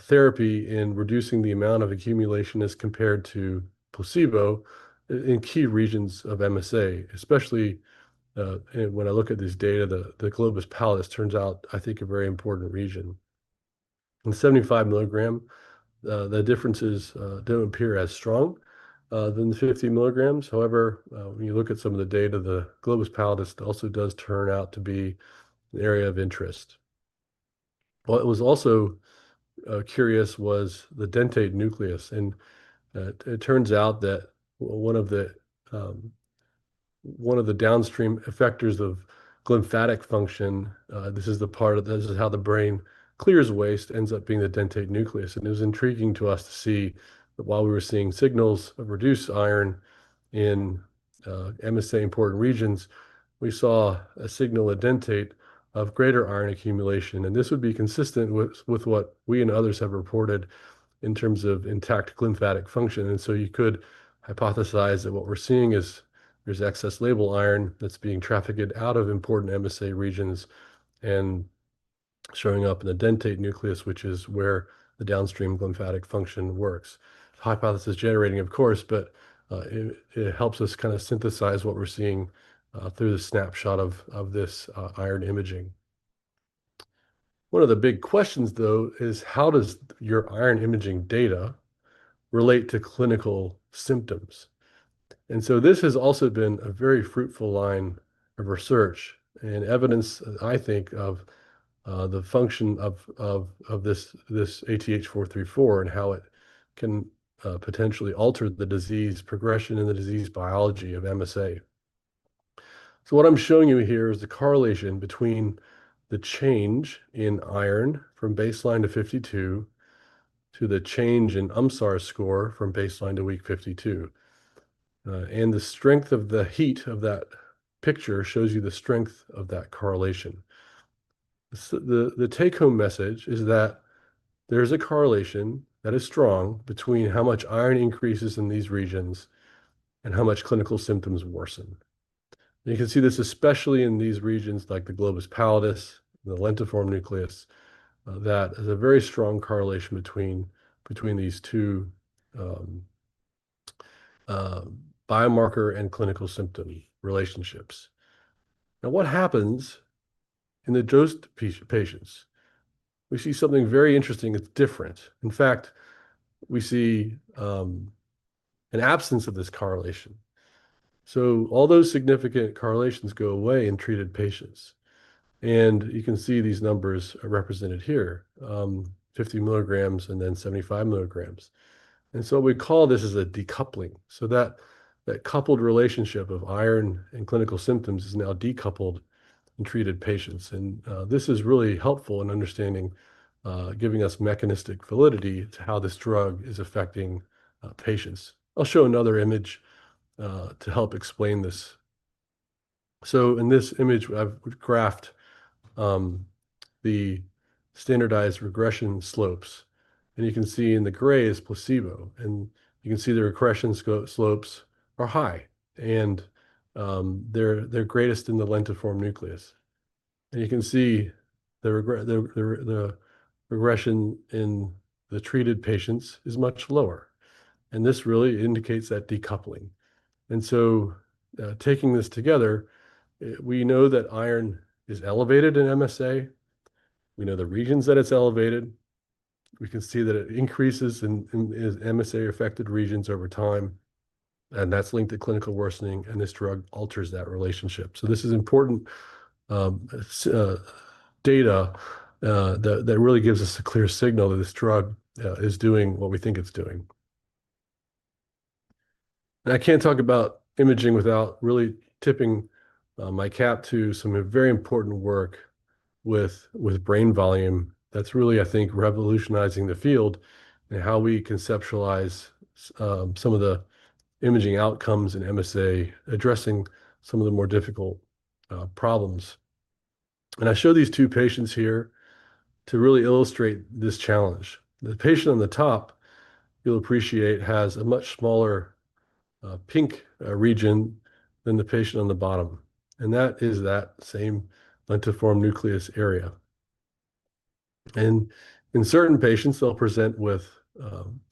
therapy in reducing the amount of accumulation as compared to placebo in key regions of MSA, especially when I look at this data, the globus pallidus turns out, I think, a very important region. In 75 mg, the differences don't appear as strong than the 50 mg. However, when you look at some of the data, the globus pallidus also does turn out to be an area of interest. What was also curious was the dentate nucleus, and it turns out that one of the downstream effectors of glymphatic function, this is how the brain clears waste, ends up being the dentate nucleus. It was intriguing to us to see that while we were seeing signals of reduced iron in MSA important regions, we saw a signal at dentate of greater iron accumulation, and this would be consistent with what we and others have reported in terms of intact glymphatic function. You could hypothesize that what we're seeing is there's excess labile iron that's being trafficked out of important MSA regions and showing up in the dentate nucleus, which is where the downstream glymphatic function works. Hypothesis generating, of course, but, it helps us kinda synthesize what we're seeing through the snapshot of this iron imaging. One of the big questions, though, is how does your iron imaging data relate to clinical symptoms? This has also been a very fruitful line of research, and evidence, I think, of the function of this ATH434 and how it can potentially alter the disease progression and the disease biology of MSA. What I'm showing you here is the correlation between the change in iron from baseline to 52 to the change in UMSARS score from baseline to week 52. The strength of the heat of that picture shows you the strength of that correlation. The take-home message is that there's a correlation that is strong between how much iron increases in these regions and how much clinical symptoms worsen. You can see this especially in these regions like the globus pallidus, the lentiform nucleus, that has a very strong correlation between these two biomarker and clinical symptom relationships. Now, what happens in the dosed patients? We see something very interesting that's different. In fact, we see an absence of this correlation. All those significant correlations go away in treated patients. You can see these numbers are represented here, 50 mg and then 75 mg. We call this as a decoupling. That coupled relationship of iron and clinical symptoms is now decoupled in treated patients. This is really helpful in understanding, giving us mechanistic validity to how this drug is affecting patients. I'll show another image to help explain this. In this image, I've graphed the standardized regression slopes. You can see in the gray is placebo, and you can see the regression slopes are high, and they're greatest in the lentiform nucleus. You can see the regression in the treated patients is much lower, and this really indicates that decoupling. Taking this together, we know that iron is elevated in MSA. We know the regions that it's elevated. We can see that it increases in MSA-affected regions over time, and that's linked to clinical worsening, and this drug alters that relationship. This is important data that really gives us a clear signal that this drug is doing what we think it's doing. I can't talk about imaging without really tipping my cap to some very important work with brain volume that's really, I think, revolutionizing the field in how we conceptualize some of the imaging outcomes in MSA, addressing some of the more difficult problems. I show these two patients here to really illustrate this challenge. The patient on the top, you'll appreciate, has a much smaller, pink region than the patient on the bottom. That is that same lentiform nucleus area. In certain patients, they'll present with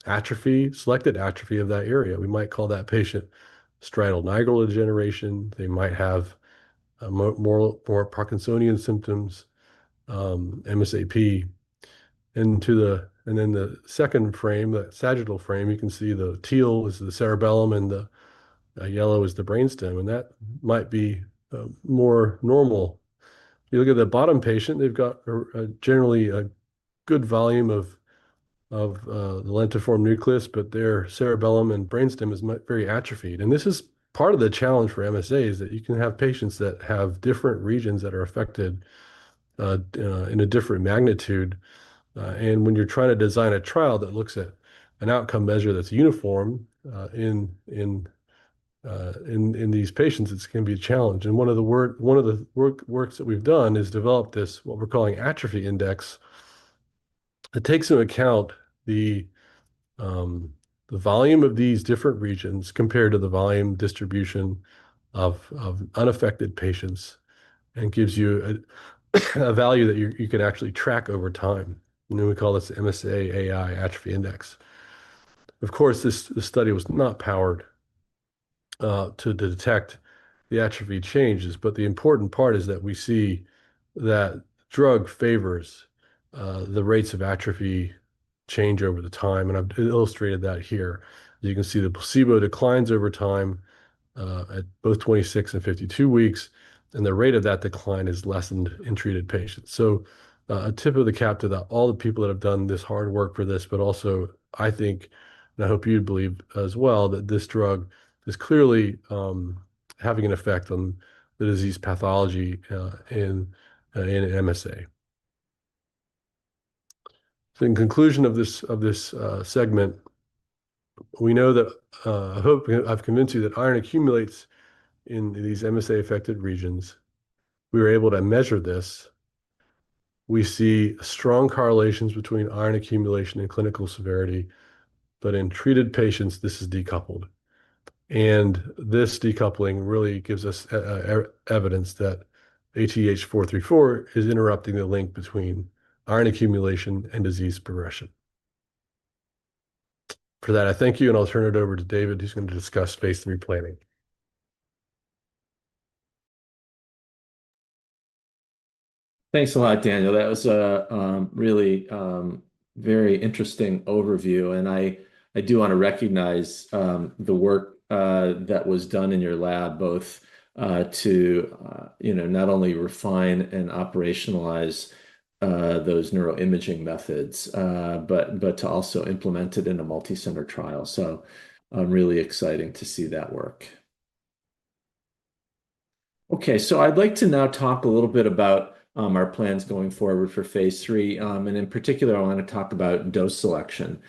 atrophy, selected atrophy of that area. We might call that patient striatonigral degeneration. They might have more Parkinsonian symptoms, MSA-P. In the second frame, the sagittal frame, you can see the teal is the cerebellum, and the yellow is the brainstem, and that might be more normal. You look at the bottom patient, they've got a generally good volume of the lentiform nucleus, but their cerebellum and brainstem is very atrophied. This is part of the challenge for MSA, is that you can have patients that have different regions that are affected in a different magnitude. When you're trying to design a trial that looks at an outcome measure that's uniform in these patients, it's gonna be a challenge. One of the works that we've done is develop this, what we're calling atrophy index. It takes into account the volume of these different regions compared to the volume distribution of unaffected patients and gives you a value that you can actually track over time. Then we call this MSA-AI atrophy index. Of course, this study was not powered to detect the atrophy changes, but the important part is that we see that drug favors the rates of atrophy change over the time, and I've illustrated that here. You can see the placebo declines over time at both 26 and 52 weeks, and the rate of that decline is lessened in treated patients. A tip of the cap to all the people that have done this hard work for this, but also, I think, and I hope you believe as well, that this drug is clearly having an effect on the disease pathology in MSA. In conclusion of this segment, we know that I hope I've convinced you that iron accumulates in these MSA-affected regions. We were able to measure this. We see strong correlations between iron accumulation and clinical severity. In treated patients, this is decoupled. This decoupling really gives us evidence that ATH434 is interrupting the link between iron accumulation and disease progression. For that, I thank you, and I'll turn it over to David, who's gonna discuss phase III planning. Thanks a lot, Daniel. That was a really very interesting overview. I do wanna recognize the work that was done in your lab both to not only refine and operationalize those neuralimaging methods, but to also implement it in a multicenter trial. Really exciting to see that work. Okay. I'd like to now talk a little bit about our plans going forward for phase III. In particular, I wanna talk about dose selection.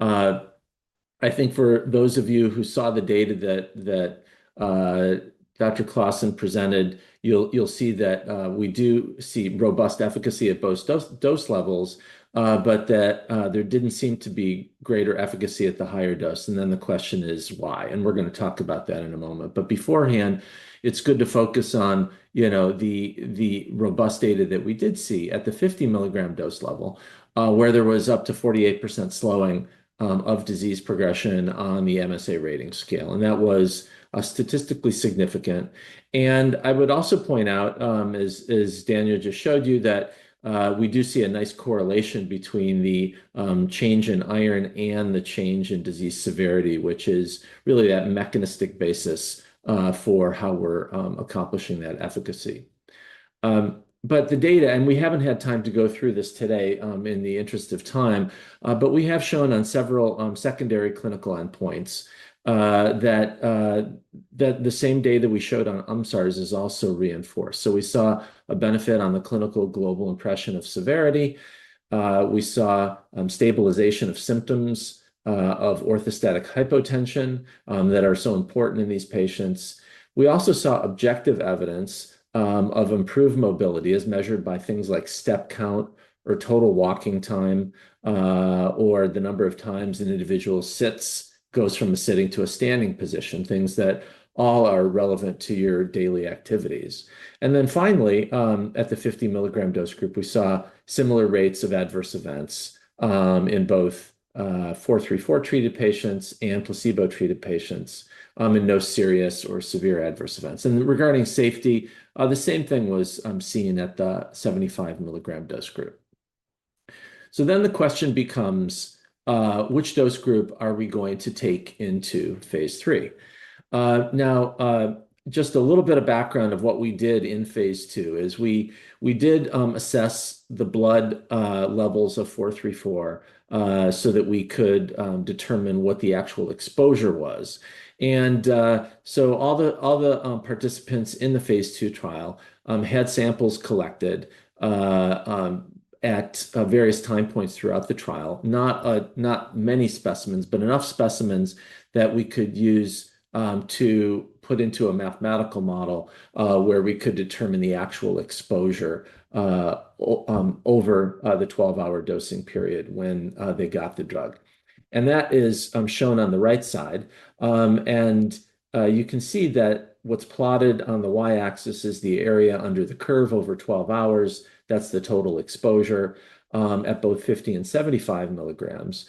I think for those of you who saw the data that Dr. Claassen presented, you'll see that we do see robust efficacy at both dose levels, but that there didn't seem to be greater efficacy at the higher dose. The question is why, and we're gonna talk about that in a moment. Beforehand, it's good to focus on, you know, the robust data that we did see at the 50 mg dose level, where there was up to 48% slowing of disease progression on the MSA rating scale, and that was statistically significant. I would also point out, as Daniel just showed you, that we do see a nice correlation between the change in iron and the change in disease severity, which is really that mechanistic basis for how we're accomplishing that efficacy. The data, and we haven't had time to go through this today, in the interest of time, but we have shown on several secondary clinical endpoints that the same data that we showed on UMSARS is also reinforced. We saw a benefit on the Clinical Global Impression of Severity. We saw stabilization of symptoms of orthostatic hypotension that are so important in these patients. We also saw objective evidence of improved mobility as measured by things like step count or total walking time, or the number of times an individual goes from a sitting to a standing position, things that all are relevant to your daily activities. Finally, at the 50 mg dose group, we saw similar rates of adverse events in both ATH434 treated patients and placebo-treated patients, and no serious or severe adverse events. Regarding safety, the same thing was seen at the 75 mg dose group. The question becomes, which dose group are we going to take into phase III? Now, just a little bit of background of what we did in phase II is we did assess the blood levels of ATH434 so that we could determine what the actual exposure was. All the participants in the phase II trial had samples collected at various time points throughout the trial. Not many specimens, but enough specimens that we could use to put into a mathematical model where we could determine the actual exposure over the 12-hour dosing period when they got the drug. That is shown on the right side. You can see that what's plotted on the y-axis is the area under the curve over 12 hours. That's the total exposure at both 50 mg and 75 mg.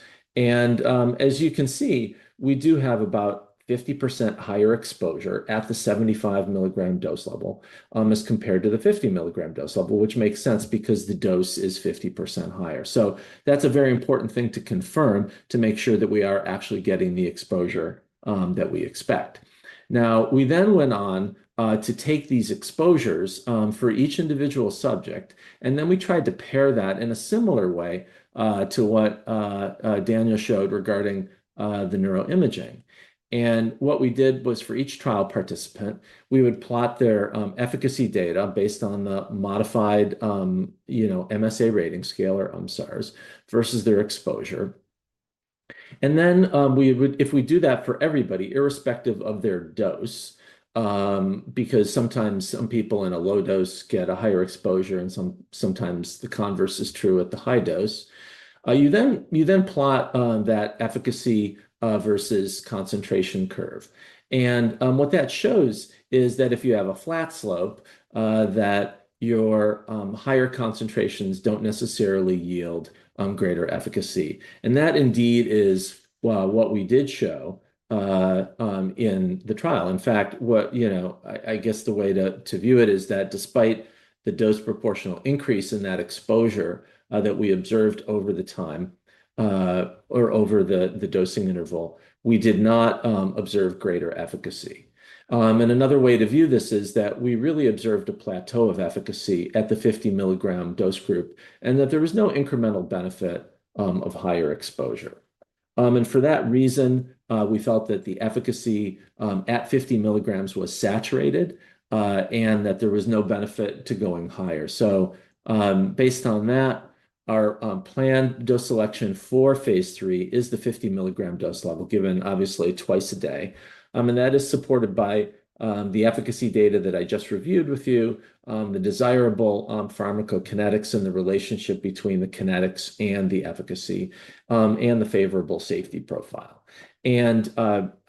As you can see, we do have about 50% higher exposure at the 75 mg dose level as compared to the 50 mg dose level, which makes sense because the dose is 50% higher. That's a very important thing to confirm to make sure that we are actually getting the exposure that we expect. We then went on to take these exposures for each individual subject, and then we tried to pair that in a similar way to what Daniel showed regarding the neuroimaging. What we did was for each trial participant, we would plot their efficacy data based on the modified UMSARS versus their exposure. If we do that for everybody, irrespective of their dose, because sometimes some people in a low dose get a higher exposure and sometimes the converse is true at the high dose. You then plot that efficacy versus concentration curve. What that shows is that if you have a flat slope, that your higher concentrations don't necessarily yield greater efficacy. That indeed is, well, what we did show in the trial. In fact, what, you know, I guess the way to view it is that despite the dose proportional increase in that exposure, that we observed over the time, or over the dosing interval, we did not observe greater efficacy. Another way to view this is that we really observed a plateau of efficacy at the 50 mg dose group, and that there was no incremental benefit of higher exposure. For that reason, we felt that the efficacy at 50 mg was saturated, and that there was no benefit to going higher. Based on that, our planned dose selection for phase III is the 50 mg dose level, given obviously twice a day. That is supported by the efficacy data that I just reviewed with you, the desirable pharmacokinetics and the relationship between the kinetics and the efficacy, and the favorable safety profile.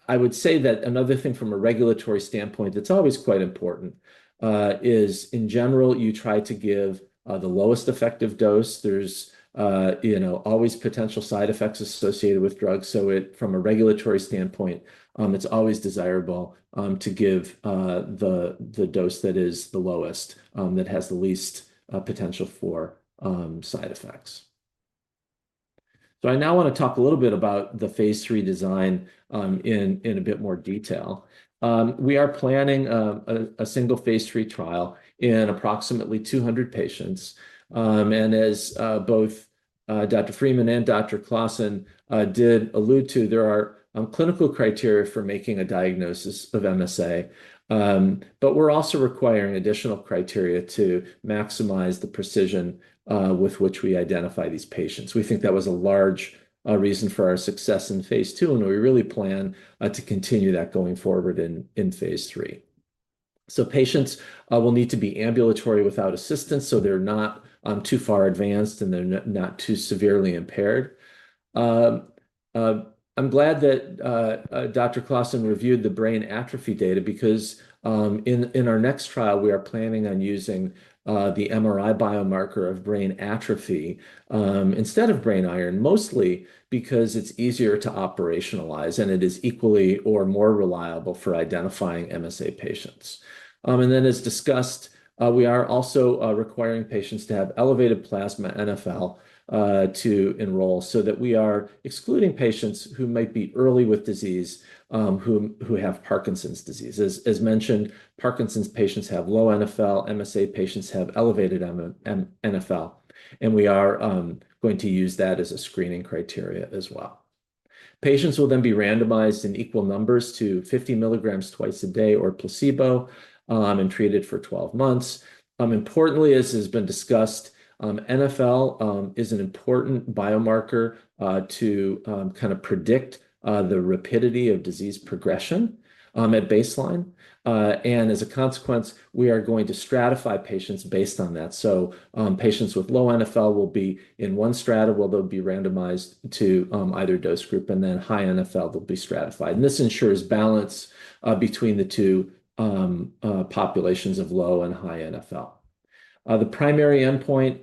I would say that another thing from a regulatory standpoint that's always quite important is in general, you try to give the lowest effective dose. There's, you know, always potential side effects associated with drugs. From a regulatory standpoint, it's always desirable to give the dose that is the lowest that has the least potential for side effects. I now wanna talk a little bit about the phase III design in a bit more detail. We are planning a single phase III trial in approximately 200 patients. As both Dr. Freeman and Dr. Claassen did allude to, there are clinical criteria for making a diagnosis of MSA. We're also requiring additional criteria to maximize the precision with which we identify these patients. We think that was a large reason for our success in phase II, and we really plan to continue that going forward in phase III. Patients will need to be ambulatory without assistance, so they're not too far advanced, and they're not too severely impaired. I'm glad that Dr. Claassen reviewed the brain atrophy data because in our next trial, we are planning on using the MRI biomarker of brain atrophy instead of brain iron, mostly because it's easier to operationalize, and it is equally or more reliable for identifying MSA patients. As discussed, we are also requiring patients to have elevated plasma NFL to enroll so that we are excluding patients who might be early with disease, who have Parkinson's disease. As mentioned, Parkinson's patients have low NFL; MSA patients have elevated NFL. We are going to use that as a screening criteria as well. Patients will be randomized in equal numbers to 50 mg twice a day or placebo and treated for 12 months. Importantly, as has been discussed, NFL is an important biomarker to kind of predict the rapidity of disease progression at baseline. As a consequence, we are going to stratify patients based on that. Patients with low NFL will be in one strata, where they'll be randomized to either dose group, and then high NFL will be stratified. This ensures balance between the two populations of low and high NFL. The primary endpoint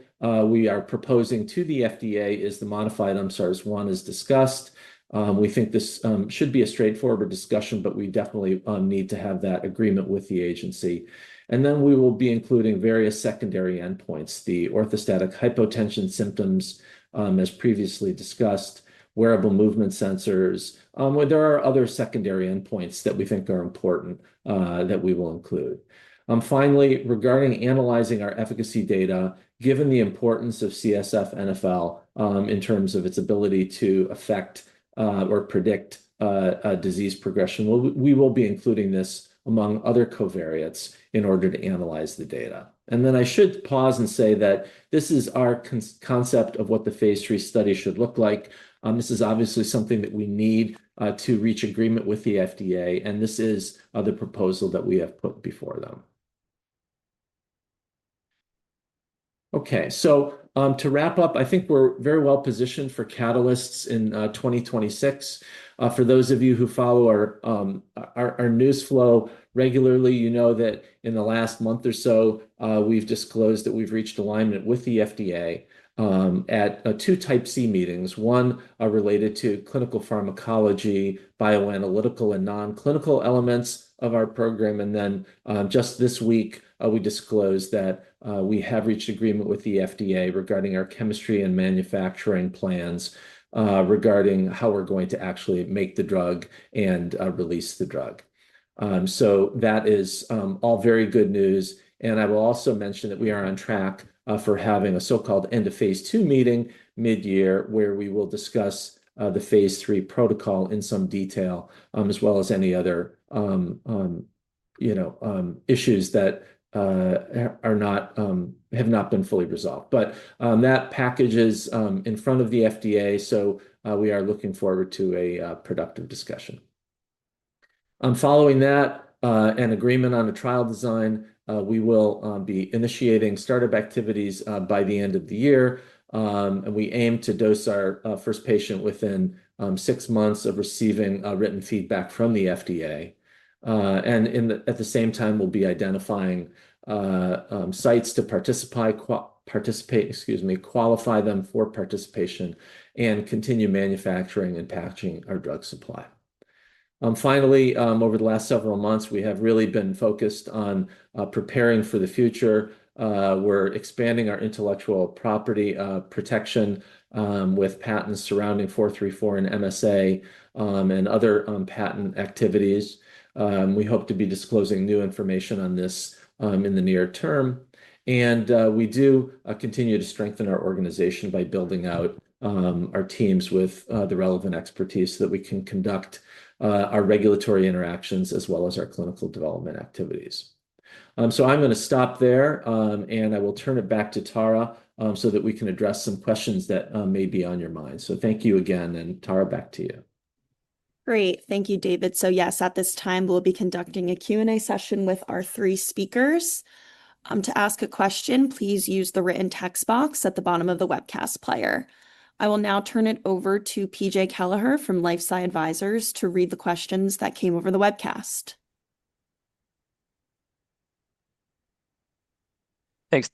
we are proposing to the FDA is the modified UMSARS-I is discussed. We think this should be a straightforward discussion, but we definitely need to have that agreement with the agency. We will be including various secondary endpoints, the orthostatic hypotension symptoms, as previously discussed, wearable movement sensors, where there are other secondary endpoints that we think are important that we will include. Finally, regarding analyzing our efficacy data, given the importance of CSF-NFL, in terms of its ability to affect or predict a disease progression, we will be including this among other covariates in order to analyze the data. I should pause and say that this is our concept of what the phase III study should look like. This is obviously something that we need to reach agreement with the FDA, and this is the proposal that we have put before them. Okay. To wrap up, I think we're very well-positioned for catalysts in 2026. For those of you who follow our news flow regularly, you know that in the last month or so, we've disclosed that we've reached alignment with the FDA at two Type C meetings, one related to clinical pharmacology, bioanalytical, and non-clinical elements of our program. Just this week, we disclosed that we have reached agreement with the FDA regarding our chemistry and manufacturing plans, regarding how we're going to actually make the drug and release the drug. That is all very good news. I will also mention that we are on track for having a so-called end of phase II meeting midyear, where we will discuss the phase III protocol in some detail, as well as any other, you know, issues that have not been fully resolved. That package is in front of the FDA, so we are looking forward to a productive discussion. Following that, and agreement on the trial design, we will be initiating startup activities by the end of the year. We aim to dose our first patient within six months of receiving written feedback from the FDA. At the same time, we'll be identifying sites to qualify them for participation, and continue manufacturing and packaging our drug supply. Finally, over the last several months, we have really been focused on preparing for the future. We're expanding our intellectual property protection with patents surrounding 434 and MSA, and other patent activities. We hope to be disclosing new information on this in the near term. We do continue to strengthen our organization by building out our teams with the relevant expertise so that we can conduct our regulatory interactions as well as our clinical development activities. I'm gonna stop there, and I will turn it back to Tara, so that we can address some questions that may be on your mind. Thank you again. Tara, back to you. Great. Thank you, David. Yes, at this time, we'll be conducting a Q and A session with our three speakers. To ask a question, please use the written text box at the bottom of the webcast player. I will now turn it over to PJ Kelleher from LifeSci Advisors to read the questions that came over the webcast. Thanks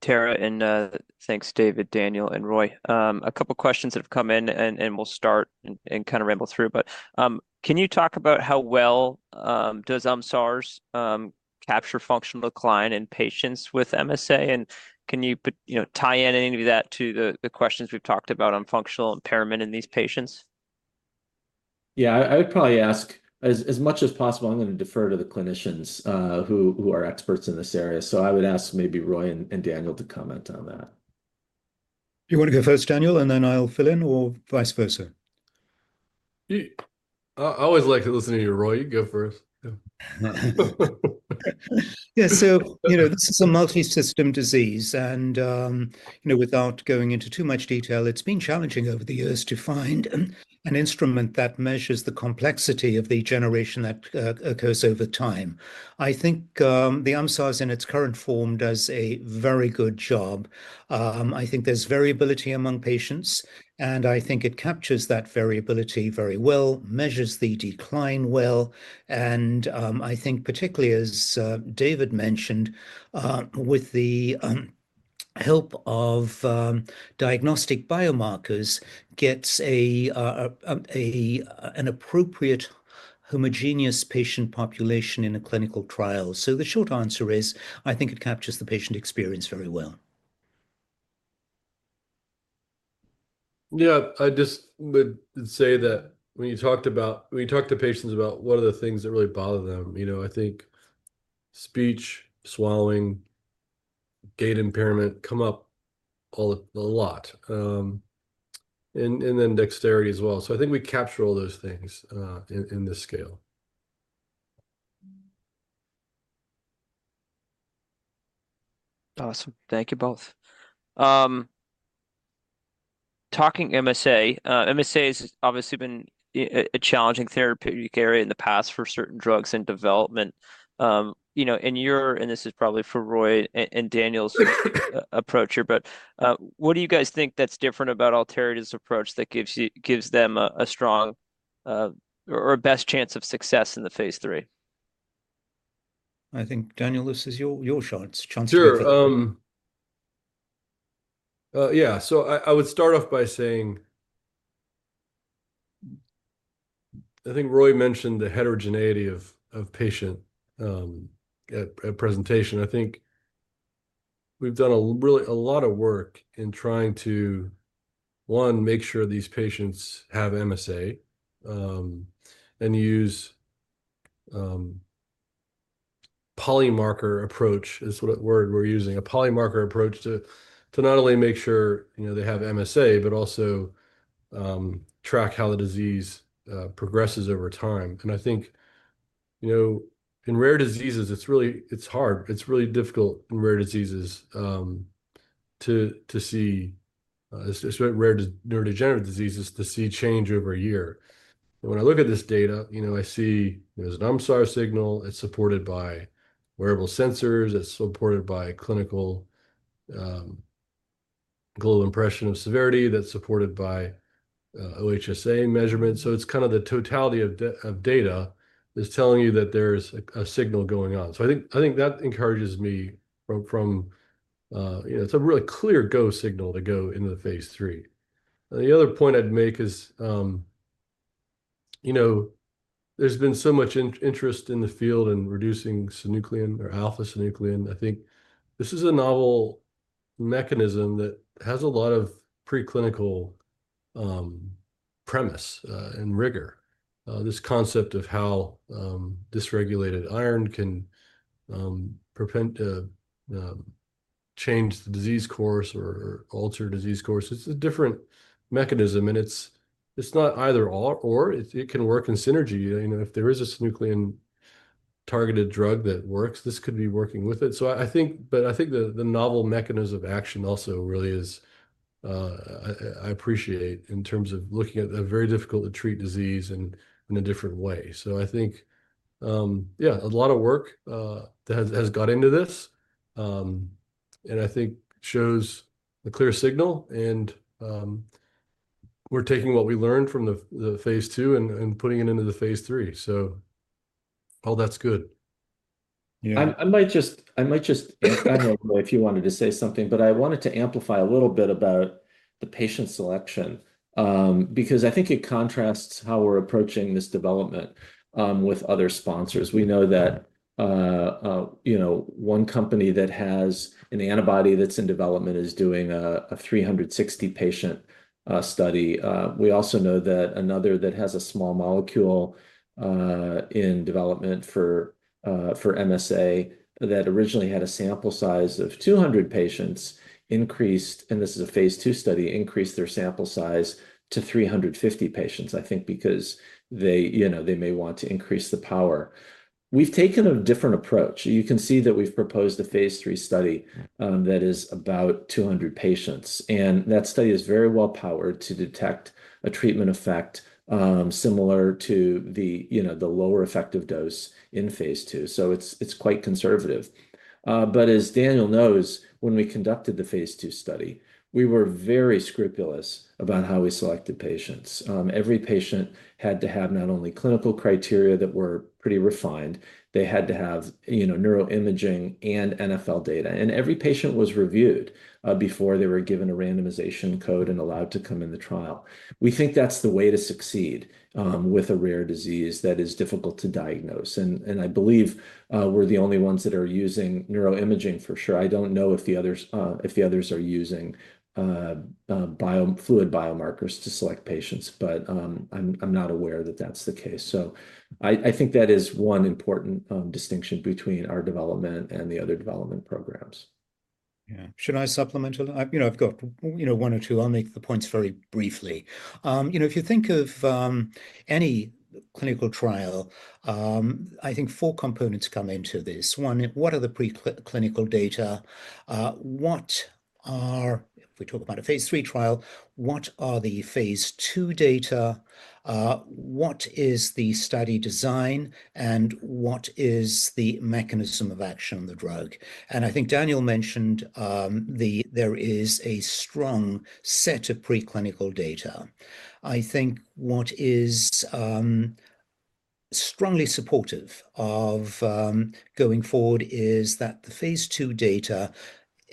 Tara, and thanks David, Daniel, and Roy. A couple questions have come in and we'll start and kind of ramble through. Can you talk about how well does UMSARS capture functional decline in patients with MSA? Can you know, tie in any of that to the questions we've talked about on functional impairment in these patients? Yeah. I would probably ask, as much as possible, I'm gonna defer to the clinicians, who are experts in this area. I would ask maybe Roy and Daniel to comment on that. Do you wanna go first, Daniel, and then I'll fill in or vice versa? I always like to listen to you, Roy. You go first. Yeah. Yeah. You know, this is a multi-system disease. You know, without going into too much detail, it's been challenging over the years to find an instrument that measures the complexity of degeneration that occurs over time. I think the UMSARS in its current form does a very good job. I think there's variability among patients, and I think it captures that variability very well, measures the decline well, and I think particularly as David mentioned, with the help of diagnostic biomarkers, gets an appropriate homogeneous patient population in a clinical trial. The short answer is I think it captures the patient experience very well. Yeah. I just would say that when you talked about, when you talk to patients about what are the things that really bother them, you know, I think speech, swallowing, gait impairment come up a lot, and then dexterity as well. I think we capture all those things in this scale. Awesome. Thank you both. Talking MSA's obviously been a challenging therapeutic area in the past for certain drugs and development. You know, this is probably for Roy Freeman and Daniel Claassen's approach here. What do you guys think that's different about Alterity's approach that gives them a strong or a best chance of success in the phase III? I think, Daniel, this is your chance to go first. Sure. Yeah. I would start off by saying I think Roy mentioned the heterogeneity of patient at presentation. I think we've done a really a lot of work in trying to, one, make sure these patients have MSA and use a polymarker approach is what word we're using. A polymarker approach to not only make sure, you know, they have MSA, but also track how the disease progresses over time. I think, you know, in rare diseases it's really hard. It's really difficult in rare diseases to see rare neurodegenerative diseases to see change over a year. When I look at this data, you know, I see there's an UMSARS signal. It's supported by wearable sensors. It's supported by clinical impression of severity. That's supported by OHSA measurements. It's kind of the totality of data is telling you that there's a signal going on. I think that encourages me from, you know, it's a really clear go signal to go into the phase III. The other point I'd make is, you know, there's been so much interest in the field in reducing synuclein or alpha-synuclein. I think this is a novel mechanism that has a lot of preclinical premise and rigor. This concept of how disregulated iron can change the disease course or alter disease course. It's a different mechanism, it's not either/or it can work in synergy. You know, if there is a synuclein targeted drug that works, this could be working with it. I think, but I think the novel mechanism action also really is, I appreciate in terms of looking at a very difficult to treat disease in a different way. I think, yeah, a lot of work has got into this. I think shows a clear signal and we're taking what we learned from the phase II and putting it into the phase III, all that's good. I don't know, Roy, if you wanted to say something. I wanted to amplify a little bit about the patient selection, because I think it contrasts how we're approaching this development with other sponsors. We know that, you know, one company that has an antibody that's in development is doing a 360 patient study. We also know that another that has a small molecule in development for MSA that originally had a sample size of 200 patients increased, and this is a phase II study, increased their sample size to 350 patients, I think because they, you know, they may want to increase the power. We've taken a different approach. You can see that we've proposed a phase III study that is about 200 patients. That study is very well powered to detect a treatment effect, similar to the, you know, the lower effective dose in phase II. It's, it's quite conservative. As Daniel knows, when we conducted the phase II study, we were very scrupulous about how we selected patients. Every patient had to have not only clinical criteria that were pretty refined, they had to have, you know, neuroimaging and NFL data. Every patient was reviewed before they were given a randomization code and allowed to come in the trial. We think that's the way to succeed with a rare disease that is difficult to diagnose. I believe we're the only ones that are using neuroimaging for sure. I don't know if the others, if the others are using biofluid biomarkers to select patients, but I'm not aware that that's the case. I think that is one important distinction between our development and the other development programs. Yeah. Should I supplement a little? I've got one or two. I'll make the points very briefly. If you think of any clinical trial, I think four components come into this. One, what are the preclinical data? If we talk about a phase III trial, what are the phase II data? What is the study design, what is the mechanism of action of the drug? I think Daniel mentioned, there is a strong set of preclinical data. I think what is strongly supportive of going forward is that the phase II data,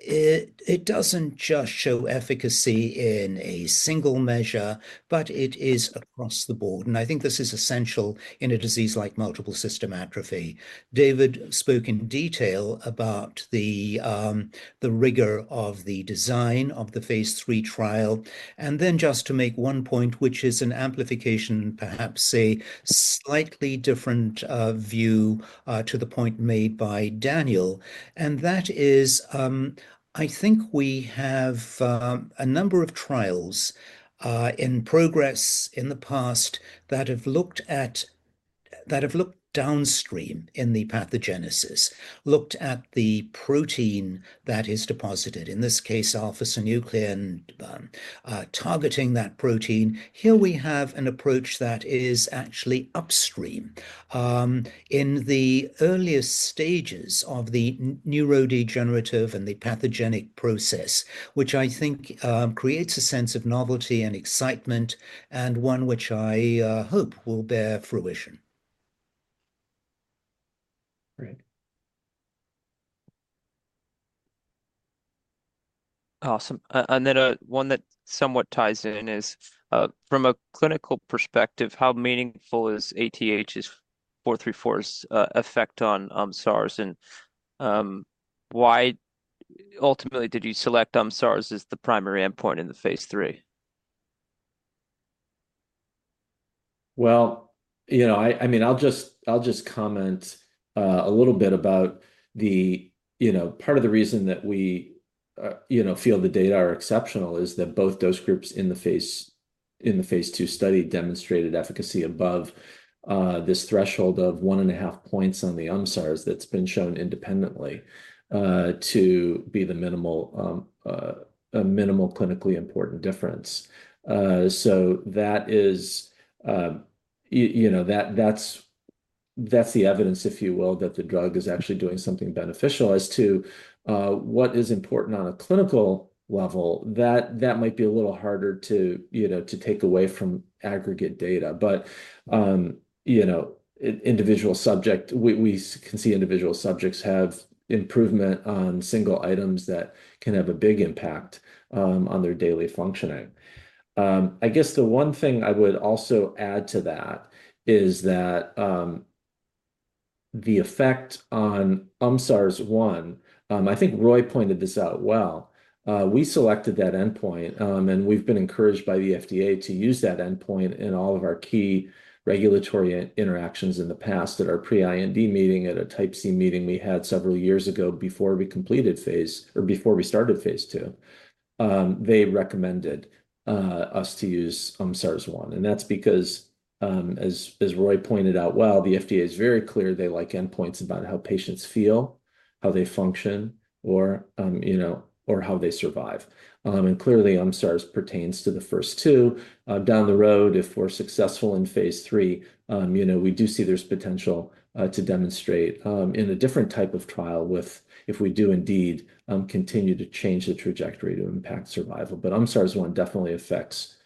it doesn't just show efficacy in a single measure, but it is across the board. I think this is essential in a disease like multiple system atrophy. David spoke in detail about the rigor of the design of the phase III trial. Then just to make one point, which is an amplification, perhaps a slightly different view, to the point made by Daniel. That is, I think we have a number of trials in progress in the past that have looked downstream in the pathogenesis, looked at the protein that is deposited, in this case, alpha-synuclein, targeting that protein. Here we have an approach that is actually upstream, in the earliest stages of the neurodegenerative and the pathogenic process, which I think creates a sense of novelty and excitement, and one which I hope will bear fruition. Awesome. One that somewhat ties in is, from a clinical perspective, how meaningful is ATH434's effect on UMSARS, and why ultimately did you select UMSARS as the primary endpoint in the phase III? You know, I mean, I'll just comment a little bit about the part of the reason that we, you know, feel the data are exceptional is that both those groups in the phase II study demonstrated efficacy above this threshold of 1.5 points on the UMSARS that's been shown independently to be the minimal, a minimal clinically important difference. That is, you know, that's the evidence, if you will, that the drug is actually doing something beneficial. As to what is important on a clinical level, that might be a little harder to, you know, to take away from aggregate data. You know, individual subject, we can see individual subjects have improvement on single items that can have a big impact on their daily functioning. I guess the one thing I would also add to that is that the effect on UMSARS-I, I think Roy pointed this out well. We selected that endpoint, and we've been encouraged by the FDA to use that endpoint in all of our key regulatory interactions in the past. At our pre-IND meeting, at a Type C meeting we had several years ago before we completed phase, or before we started phase II, they recommended us to use UMSARS-I. That's because, as Roy pointed out well, the FDA is very clear they like endpoints about how patients feel, how they function, or, you know, or how they survive. Clearly UMSARS pertains to the first two. Down the road, if we're successful in phase III, you know, we do see there's potential to demonstrate, in a different type of trial with, if we do indeed, continue to change the trajectory to impact survival. UMSARS-I definitely affects,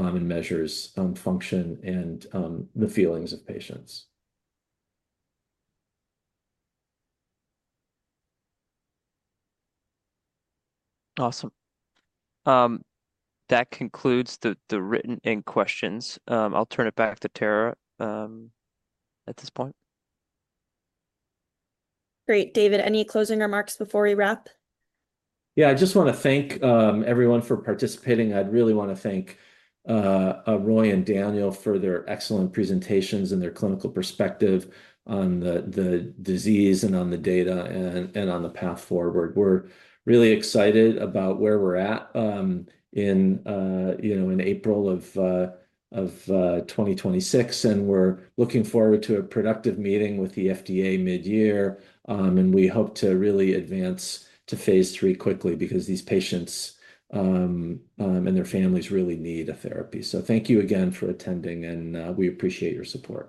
and measures, function and the feelings of patients. Awesome. That concludes the written in questions. I'll turn it back to Tara at this point. Great. David, any closing remarks before we wrap? I just wanna thank everyone for participating. I'd really wanna thank Roy and Daniel for their excellent presentations and their clinical perspective on the disease and on the data and on the path forward. We're really excited about where we're at in April of 2026, and we're looking forward to a productive meeting with the FDA midyear. We hope to really advance to phase III quickly because these patients and their families really need a therapy. Thank you again for attending and we appreciate your support.